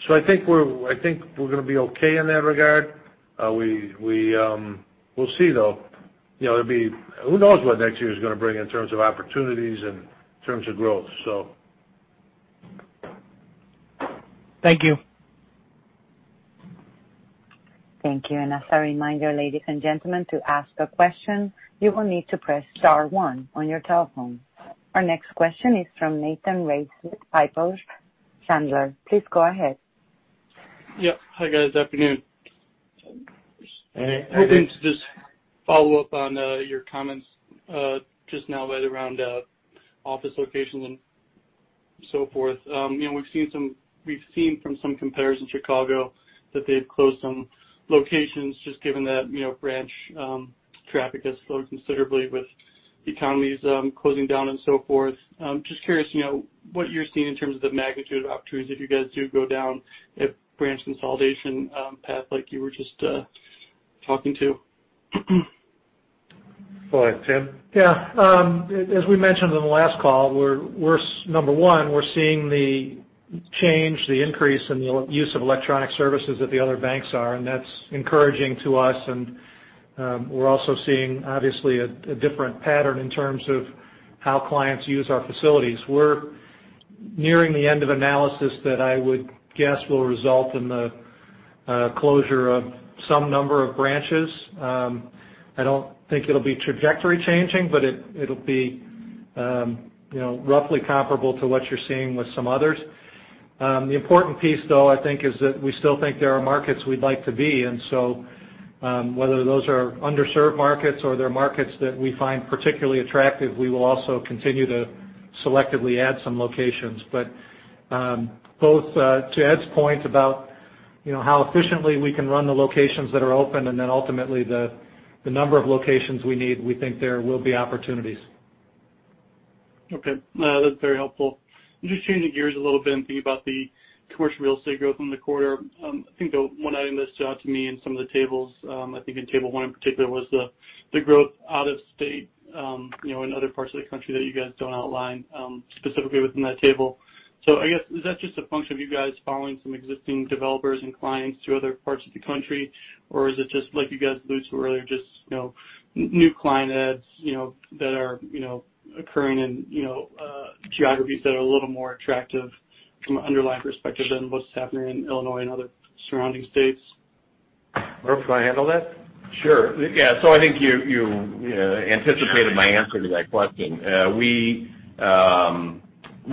I think we're going to be okay in that regard. We'll see, though. Who knows what next year is going to bring in terms of opportunities and in terms of growth. Thank you. Thank you. As a reminder, ladies and gentlemen, to ask a question, you will need to press star one on your telephone. Our next question is from Nathan Race with Piper Sandler. Please go ahead. Yep. Hi, guys. Afternoon. Hey. Hoping to just follow up on your comments just now right around office locations and so forth, we've seen from some competitors in Chicago that they've closed some locations, just given that branch traffic has slowed considerably with economies closing down and so forth. Just curious what you're seeing in terms of the magnitude of opportunities if you guys do go down a branch consolidation path like you were just talking to? Go ahead, Tim. Yeah. As we mentioned on the last call, number one, we're seeing the change, the increase in the use of electronic services that the other banks are. That's encouraging to us. We're also seeing, obviously, a different pattern in terms of how clients use our facilities. We're nearing the end of analysis that I would guess will result in the closure of some number of branches. I don't think it'll be trajectory changing, it'll be roughly comparable to what you're seeing with some others. The important piece, though, I think, is that we still think there are markets we'd like to be in. Whether those are underserved markets or they're markets that we find particularly attractive, we will also continue to selectively add some locations. Both to Ed's point about how efficiently we can run the locations that are open and then ultimately the number of locations we need, we think there will be opportunities. Okay. No, that's very helpful. Just changing gears a little bit and thinking about the commercial real estate growth in the quarter. I think the one item that stood out to me in some of the tables, I think in table one in particular, was the growth out of state in other parts of the country that you guys don't outline specifically within that table. I guess, is that just a function of you guys following some existing developers and clients to other parts of the country, or is it just like you guys alluded to earlier, just new client adds that are occurring in other geographies that are a little more attractive from an underlying perspective than what's happening in Illinois and other surrounding states? Murph, you want to handle that? Sure. Yeah. I think you anticipated my answer to that question. We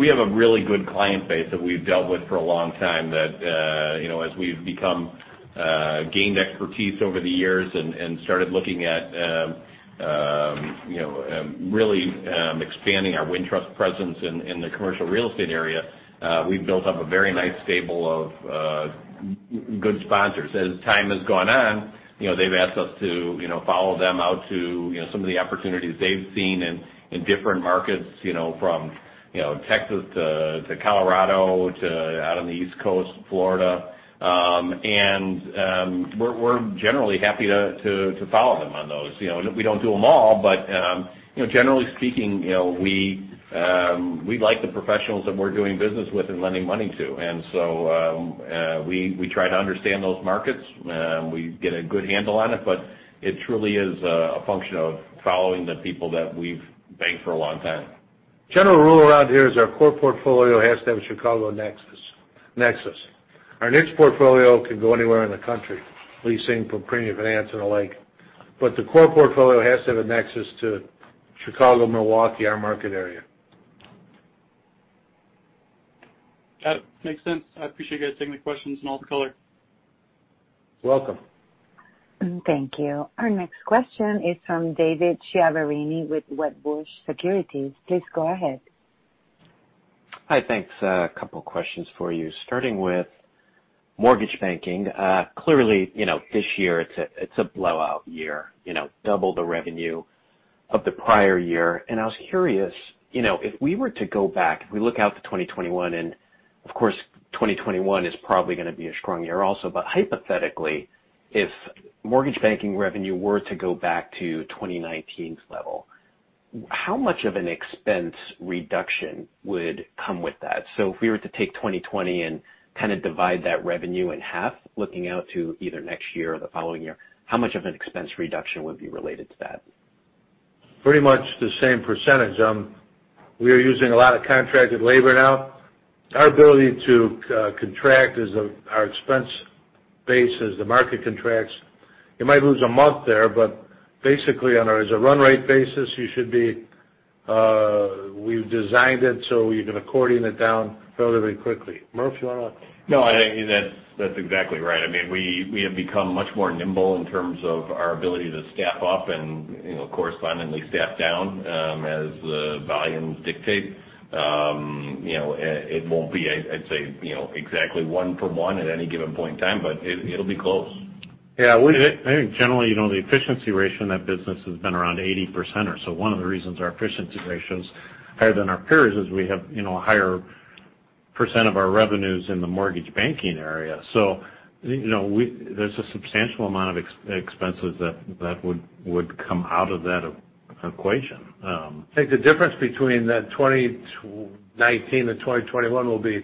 have a really good client base that we've dealt with for a long time that as we've gained expertise over the years and started looking at really expanding our Wintrust presence in the commercial real estate area, we've built up a very nice stable of good sponsors. As time has gone on, they've asked us to follow them out to some of the opportunities they've seen in different markets from Texas to Colorado, to out on the East Coast, Florida. We're generally happy to follow them on those. We don't do them all, but generally speaking, we like the professionals that we're doing business with and lending money to. We try to understand those markets. We get a good handle on it. It truly is a function of following the people that we've banked for a long time. General rule around here is our core portfolio has to have a Chicago nexus. Our niche portfolio can go anywhere in the country, leasing for premium finance and the like. The core portfolio has to have a nexus to Chicago, Milwaukee, our market area. That makes sense. I appreciate you guys taking the questions in all the color. Welcome. Thank you. Our next question is from David Chiaverini with Wedbush Securities. Please go ahead. Hi, thanks. A couple questions for you, starting with mortgage banking. Clearly, this year it's a blowout year. Double the revenue of the prior year. I was curious, if we were to go back, if we look out to 2021, and of course, 2021 is probably going to be a strong year also, but hypothetically, if mortgage banking revenue were to go back to 2019's level, how much of an expense reduction would come with that? If we were to take 2020 and divide that revenue in half, looking out to either next year or the following year, how much of an expense reduction would be related to that? Pretty much the same percentage. We are using a lot of contracted labor now. Our ability to contract is our expense base as the market contracts. You might lose a month there, but basically on a run rate basis, we've designed it so you can accordion it down fairly quickly. Murph, you want to- No, I think that's exactly right. We have become much more nimble in terms of our ability to staff up and correspondingly staff down as the volumes dictate. It won't be, I'd say, exactly one for one at any given point in time, but it'll be close. Yeah. I think generally, the efficiency ratio in that business has been around 80% or so. One of the reasons our efficiency ratio is higher than our peers is we have a higher % of our revenues in the mortgage banking area. There's a substantial amount of expenses that would come out of that equation. I think the difference between the 2019 and 2021 will be,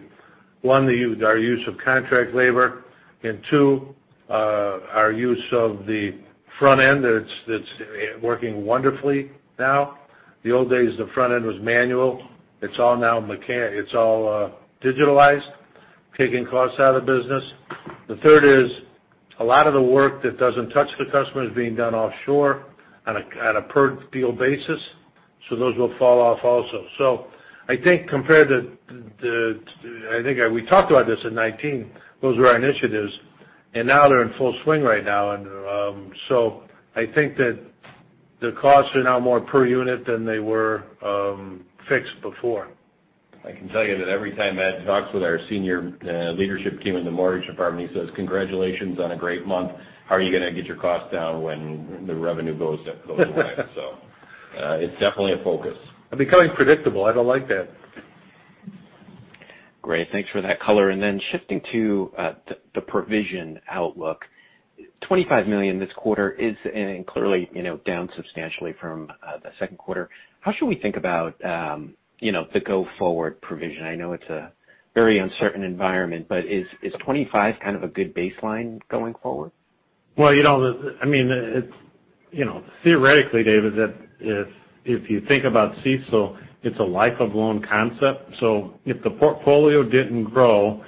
one, our use of contract labor, and two our use of the front end that's working wonderfully now. The old days, the front end was manual. It's all digitized, taking costs out of the business. The third is a lot of the work that doesn't touch the customer is being done offshore on a per deal basis. Those will fall off also. I think we talked about this in 2019. Those were our initiatives. Now they're in full swing right now. I think that the costs are now more per unit than they were fixed before. I can tell you that every time Ed talks with our senior leadership team in the mortgage department, he says, "Congratulations on a great month. How are you going to get your costs down when the revenue goes away?" It's definitely a focus. I'm becoming predictable. I don't like that. Great. Thanks for that color. Shifting to the provision outlook. $25 million this quarter is clearly down substantially from the Q2. How should we think about the go forward provision? I know it's a very uncertain environment, is 25 kind of a good baseline going forward? Well, theoretically, David, if you think about CECL, it's a life of loan concept. If the portfolio didn't grow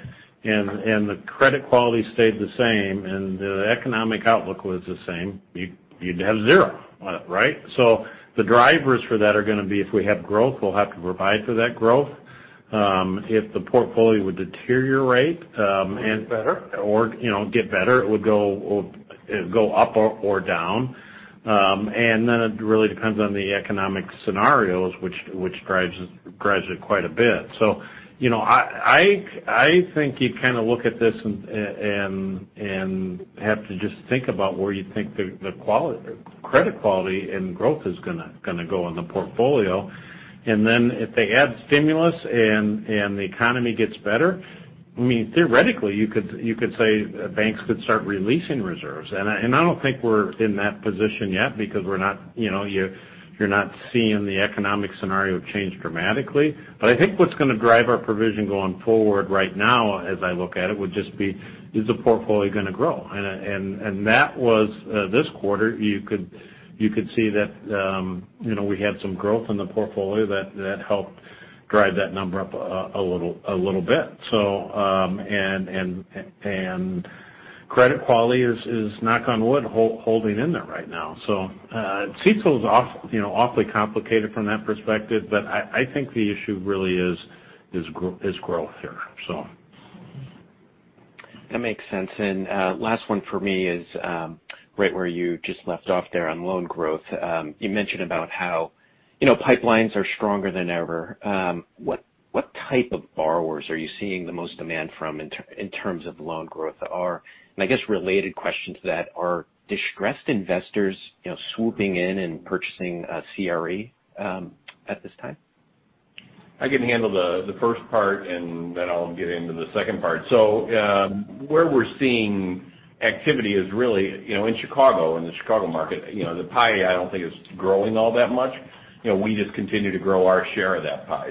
and the credit quality stayed the same and the economic outlook was the same, you'd have zero. Right? The drivers for that are going to be if we have growth, we'll have to provide for that growth. If the portfolio would deteriorate- Get better. or get better, it would go up or down. Then it really depends on the economic scenarios, which drives it quite a bit. I think you kind of look at this and have to just think about where you think the credit quality and growth is going to go in the portfolio. Then if they add stimulus and the economy gets better, theoretically, you could say banks could start releasing reserves. I don't think we're in that position yet because you're not seeing the economic scenario change dramatically. I think what's going to drive our provision going forward right now as I look at it, would just be, is the portfolio going to grow? That was this quarter. You could see that we had some growth in the portfolio that helped drive that number up a little bit. Credit quality is, knock on wood, holding in there right now. CECL is awfully complicated from that perspective, but I think the issue really is growth here. That makes sense. Last one for me is right where you just left off there on loan growth. You mentioned about how pipelines are stronger than ever. What type of borrowers are you seeing the most demand from in terms of loan growth? I guess a related question to that, are distressed investors swooping in and purchasing CRE at this time? I can handle the first part, and then I'll get into the second part. Where we're seeing activity is really in Chicago, in the Chicago market. The pie, I don't think is growing all that much. We just continue to grow our share of that pie.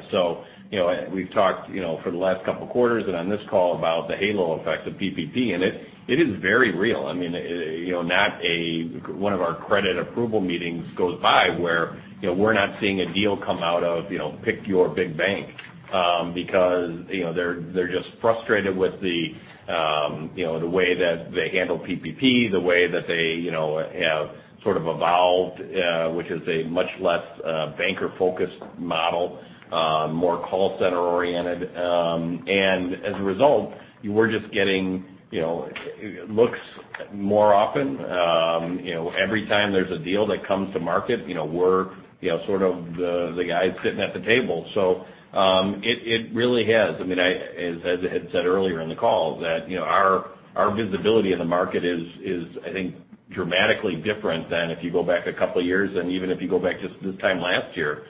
We've talked for the last couple of quarters and on this call about the halo effect of PPP, and it is very real. I mean, not one of our credit approval meetings goes by where we're not seeing a deal come out of pick your big bank. They're just frustrated with the way that they handle PPP, the way that they have sort of evolved, which is a much less banker-focused model, more call center-oriented. As a result, we're just getting looks more often. Every time there's a deal that comes to market, we're sort of the guys sitting at the table. It really has as Ed said earlier in the call that our visibility in the market is, I think, dramatically different than if you go back a couple of years. Even if you go back just to this time last year,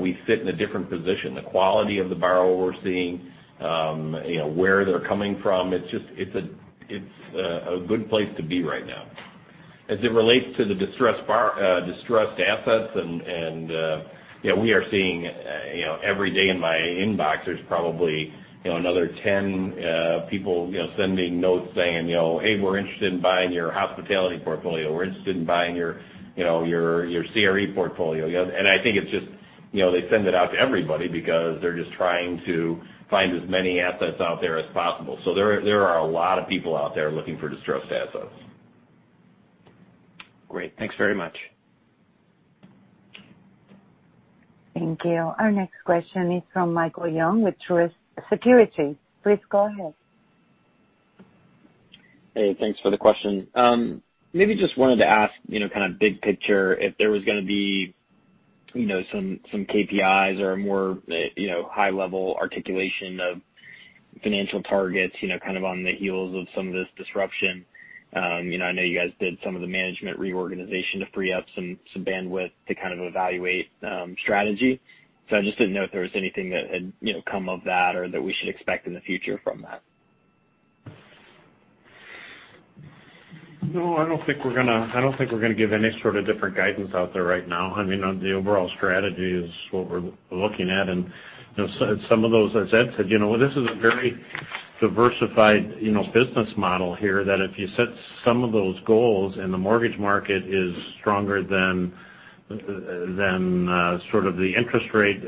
we sit in a different position. The quality of the borrower we're seeing, where they're coming from, it's a good place to be right now. As it relates to the distressed assets, we are seeing every day in my inbox, there's probably another 10 people sending notes saying, "Hey, we're interested in buying your hospitality portfolio. We're interested in buying your CRE portfolio." I think they send it out to everybody because they're just trying to find as many assets out there as possible. There are a lot of people out there looking for distressed assets. Great. Thanks very much. Thank you. Our next question is from Michael Young with Truist Securities. Please go ahead. Hey, thanks for the question. Maybe just wanted to ask kind of big picture if there was going to be some KPIs or a more high-level articulation of financial targets kind of on the heels of some of this disruption. I know you guys did some of the management reorganization to free up some bandwidth to kind of evaluate strategy. I just didn't know if there was anything that had come of that or that we should expect in the future from that. No, I don't think we're going to give any sort of different guidance out there right now. The overall strategy is what we're looking at. Some of those, as Ed said, this is a very diversified business model here that if you set some of those goals and the mortgage market is stronger than sort of the interest rate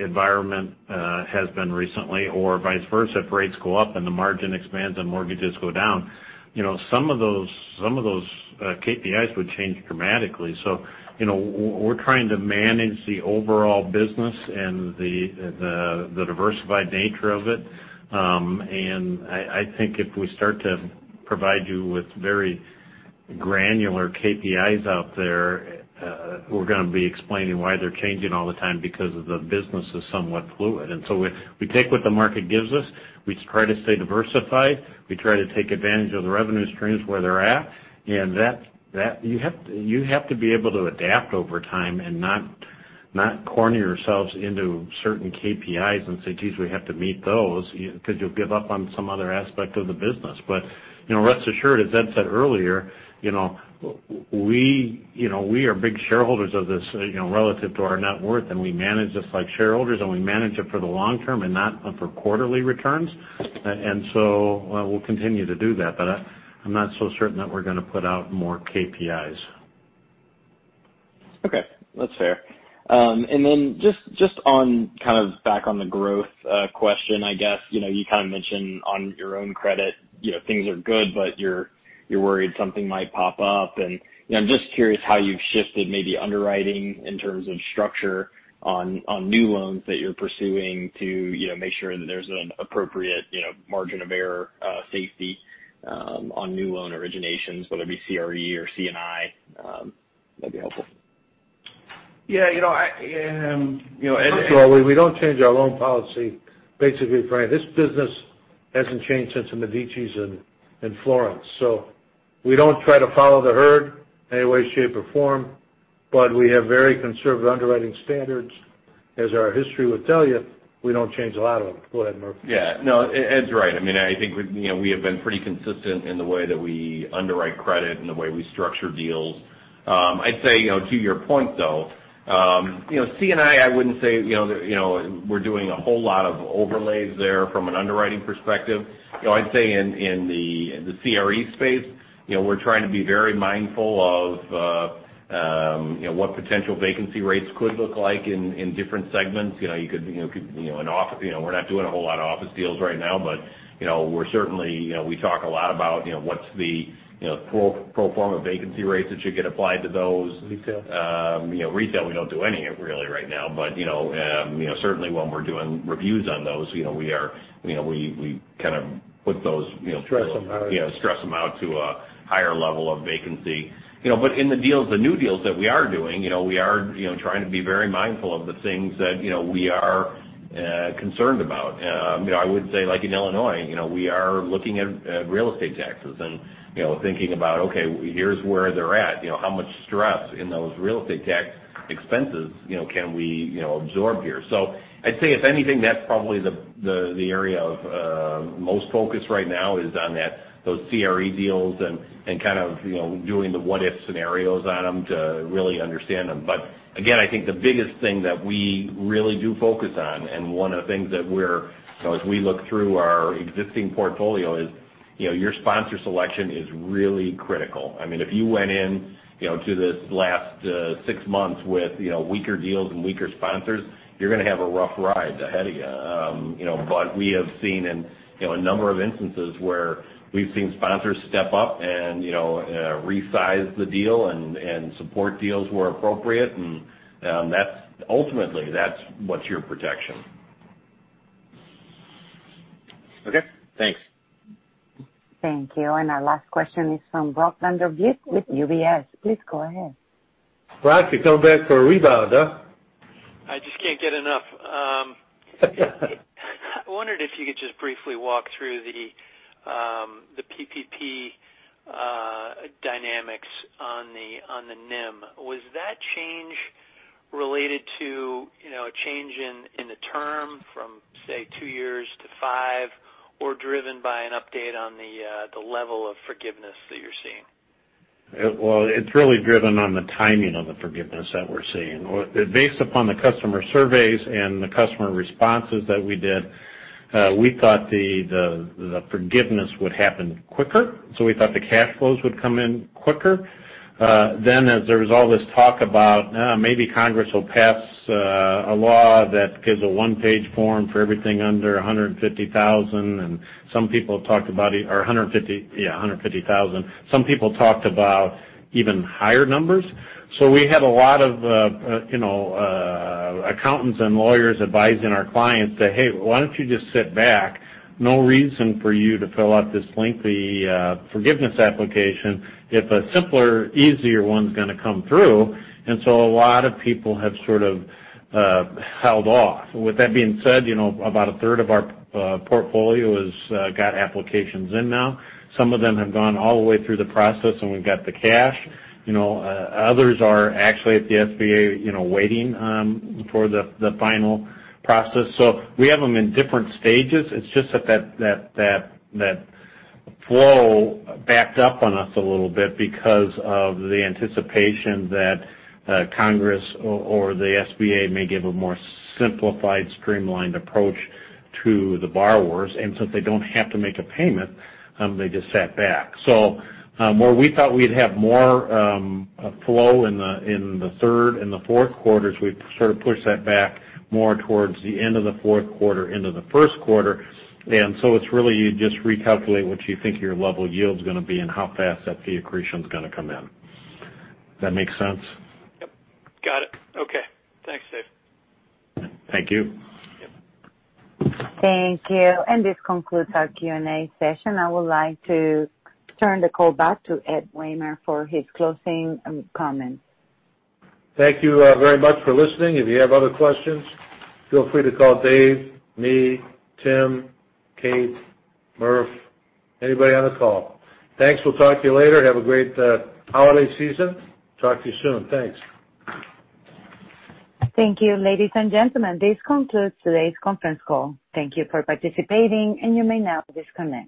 environment has been recently, or vice versa, if rates go up and the margin expands and mortgages go down. Some of those KPIs would change dramatically. We're trying to manage the overall business and the diversified nature of it. I think if we start to provide you with very granular KPIs out there, we're going to be explaining why they're changing all the time because the business is somewhat fluid. We take what the market gives us. We try to stay diversified. We try to take advantage of the revenue streams where they're at. You have to be able to adapt over time and not corner yourselves into certain KPIs and say, "Geez, we have to meet those," because you'll give up on some other aspect of the business. Rest assured, as Ed said earlier, we are big shareholders of this, relative to our net worth, and we manage this like shareholders, and we manage it for the long term and not for quarterly returns. We'll continue to do that, but I'm not so certain that we're going to put out more KPIs. Okay. That's fair. Then just back on the growth question, I guess. You kind of mentioned on your own credit, things are good, but you're worried something might pop up, and I'm just curious how you've shifted maybe underwriting in terms of structure on new loans that you're pursuing to make sure that there's an appropriate margin of error safety on new loan originations, whether it be CRE or C&I. That'd be helpful. Yeah. First of all, we don't change our loan policy basically, right? This business hasn't changed since the Medicis in Florence. We don't try to follow the herd in any way, shape, or form, but we have very conservative underwriting standards, as our history would tell you. We don't change a lot of them. Go ahead, Murphy. Yeah. Ed's right. I think we have been pretty consistent in the way that we underwrite credit and the way we structure deals. I'd say to your point, though, C&I wouldn't say we're doing a whole lot of overlays there from an underwriting perspective. I'd say in the CRE space, we're trying to be very mindful of what potential vacancy rates could look like in different segments. We're not doing a whole lot of office deals right now, but we talk a lot about what's the pro forma vacancy rates that should get applied to those. Retail? Retail, we don't do any really right now. Certainly, when we're doing reviews on those, we kind of stress them out. Yeah, stress them out to a higher level of vacancy. In the new deals that we are doing, we are trying to be very mindful of the things that we are concerned about. I would say, like in Illinois, we are looking at real estate taxes and thinking about, okay, here's where they're at. How much stress in those real estate tax expenses can we absorb here? I'd say, if anything, that's probably the area of most focus right now is on those CRE deals and kind of doing the what if scenarios on them to really understand them. Again, I think the biggest thing that we really do focus on, and one of the things that as we look through our existing portfolio is, your sponsor selection is really critical. If you went in to this last six months with weaker deals and weaker sponsors, you're going to have a rough ride ahead of you. We have seen in a number of instances where we've seen sponsors step up and resize the deal and support deals where appropriate, and ultimately, that's what's your protection. Okay. Thanks. Thank you. Our last question is from Brock Vandervliet with UBS. Please go ahead. Brock, you're coming back for a rebound, huh? I just can't get enough. I wondered if you could just briefly walk through the PPP dynamics on the NIM. Was that change related to a change in the term from, say, two years to five, or driven by an update on the level of forgiveness that you're seeing? Well, it's really driven on the timing of the forgiveness that we're seeing. Based upon the customer surveys and the customer responses that we did, we thought the forgiveness would happen quicker, so we thought the cash flows would come in quicker. As there was all this talk about maybe Congress will pass a law that gives a one-page form for everything under $150,000. Some people talked about even higher numbers. We had a lot of accountants and lawyers advising our clients, saying, "Hey, why don't you just sit back?" No reason for you to fill out this lengthy forgiveness application if a simpler, easier one's going to come through. A lot of people have sort of held off. With that being said, about a third of our portfolio has got applications in now. Some of them have gone all the way through the process, and we've got the cash. Others are actually at the SBA waiting for the final process. We have them in different stages. It's just that that flow backed up on us a little bit because of the anticipation that Congress or the SBA may give a more simplified, streamlined approach to the borrowers. Since they don't have to make a payment, they just sat back. Where we thought we'd have more flow in the third and the Q4s, we've sort of pushed that back more towards the end of the Q4 into the Q1. It's really you just recalculate what you think your level yield's going to be and how fast that fee accretion's going to come in. Does that make sense? Yep. Got it. Okay. Thanks, Dave. Thank you. Yep. Thank you. This concludes our Q&A session. I would like to turn the call back to Ed Wehmer for his closing comments. Thank you very much for listening. If you have other questions, feel free to call Dave, me, Tim, Kate, Murph, anybody on the call. Thanks. We'll talk to you later. Have a great holiday season. Talk to you soon. Thanks. Thank you, ladies and gentlemen. This concludes today's conference call. Thank you for participating, and you may now disconnect.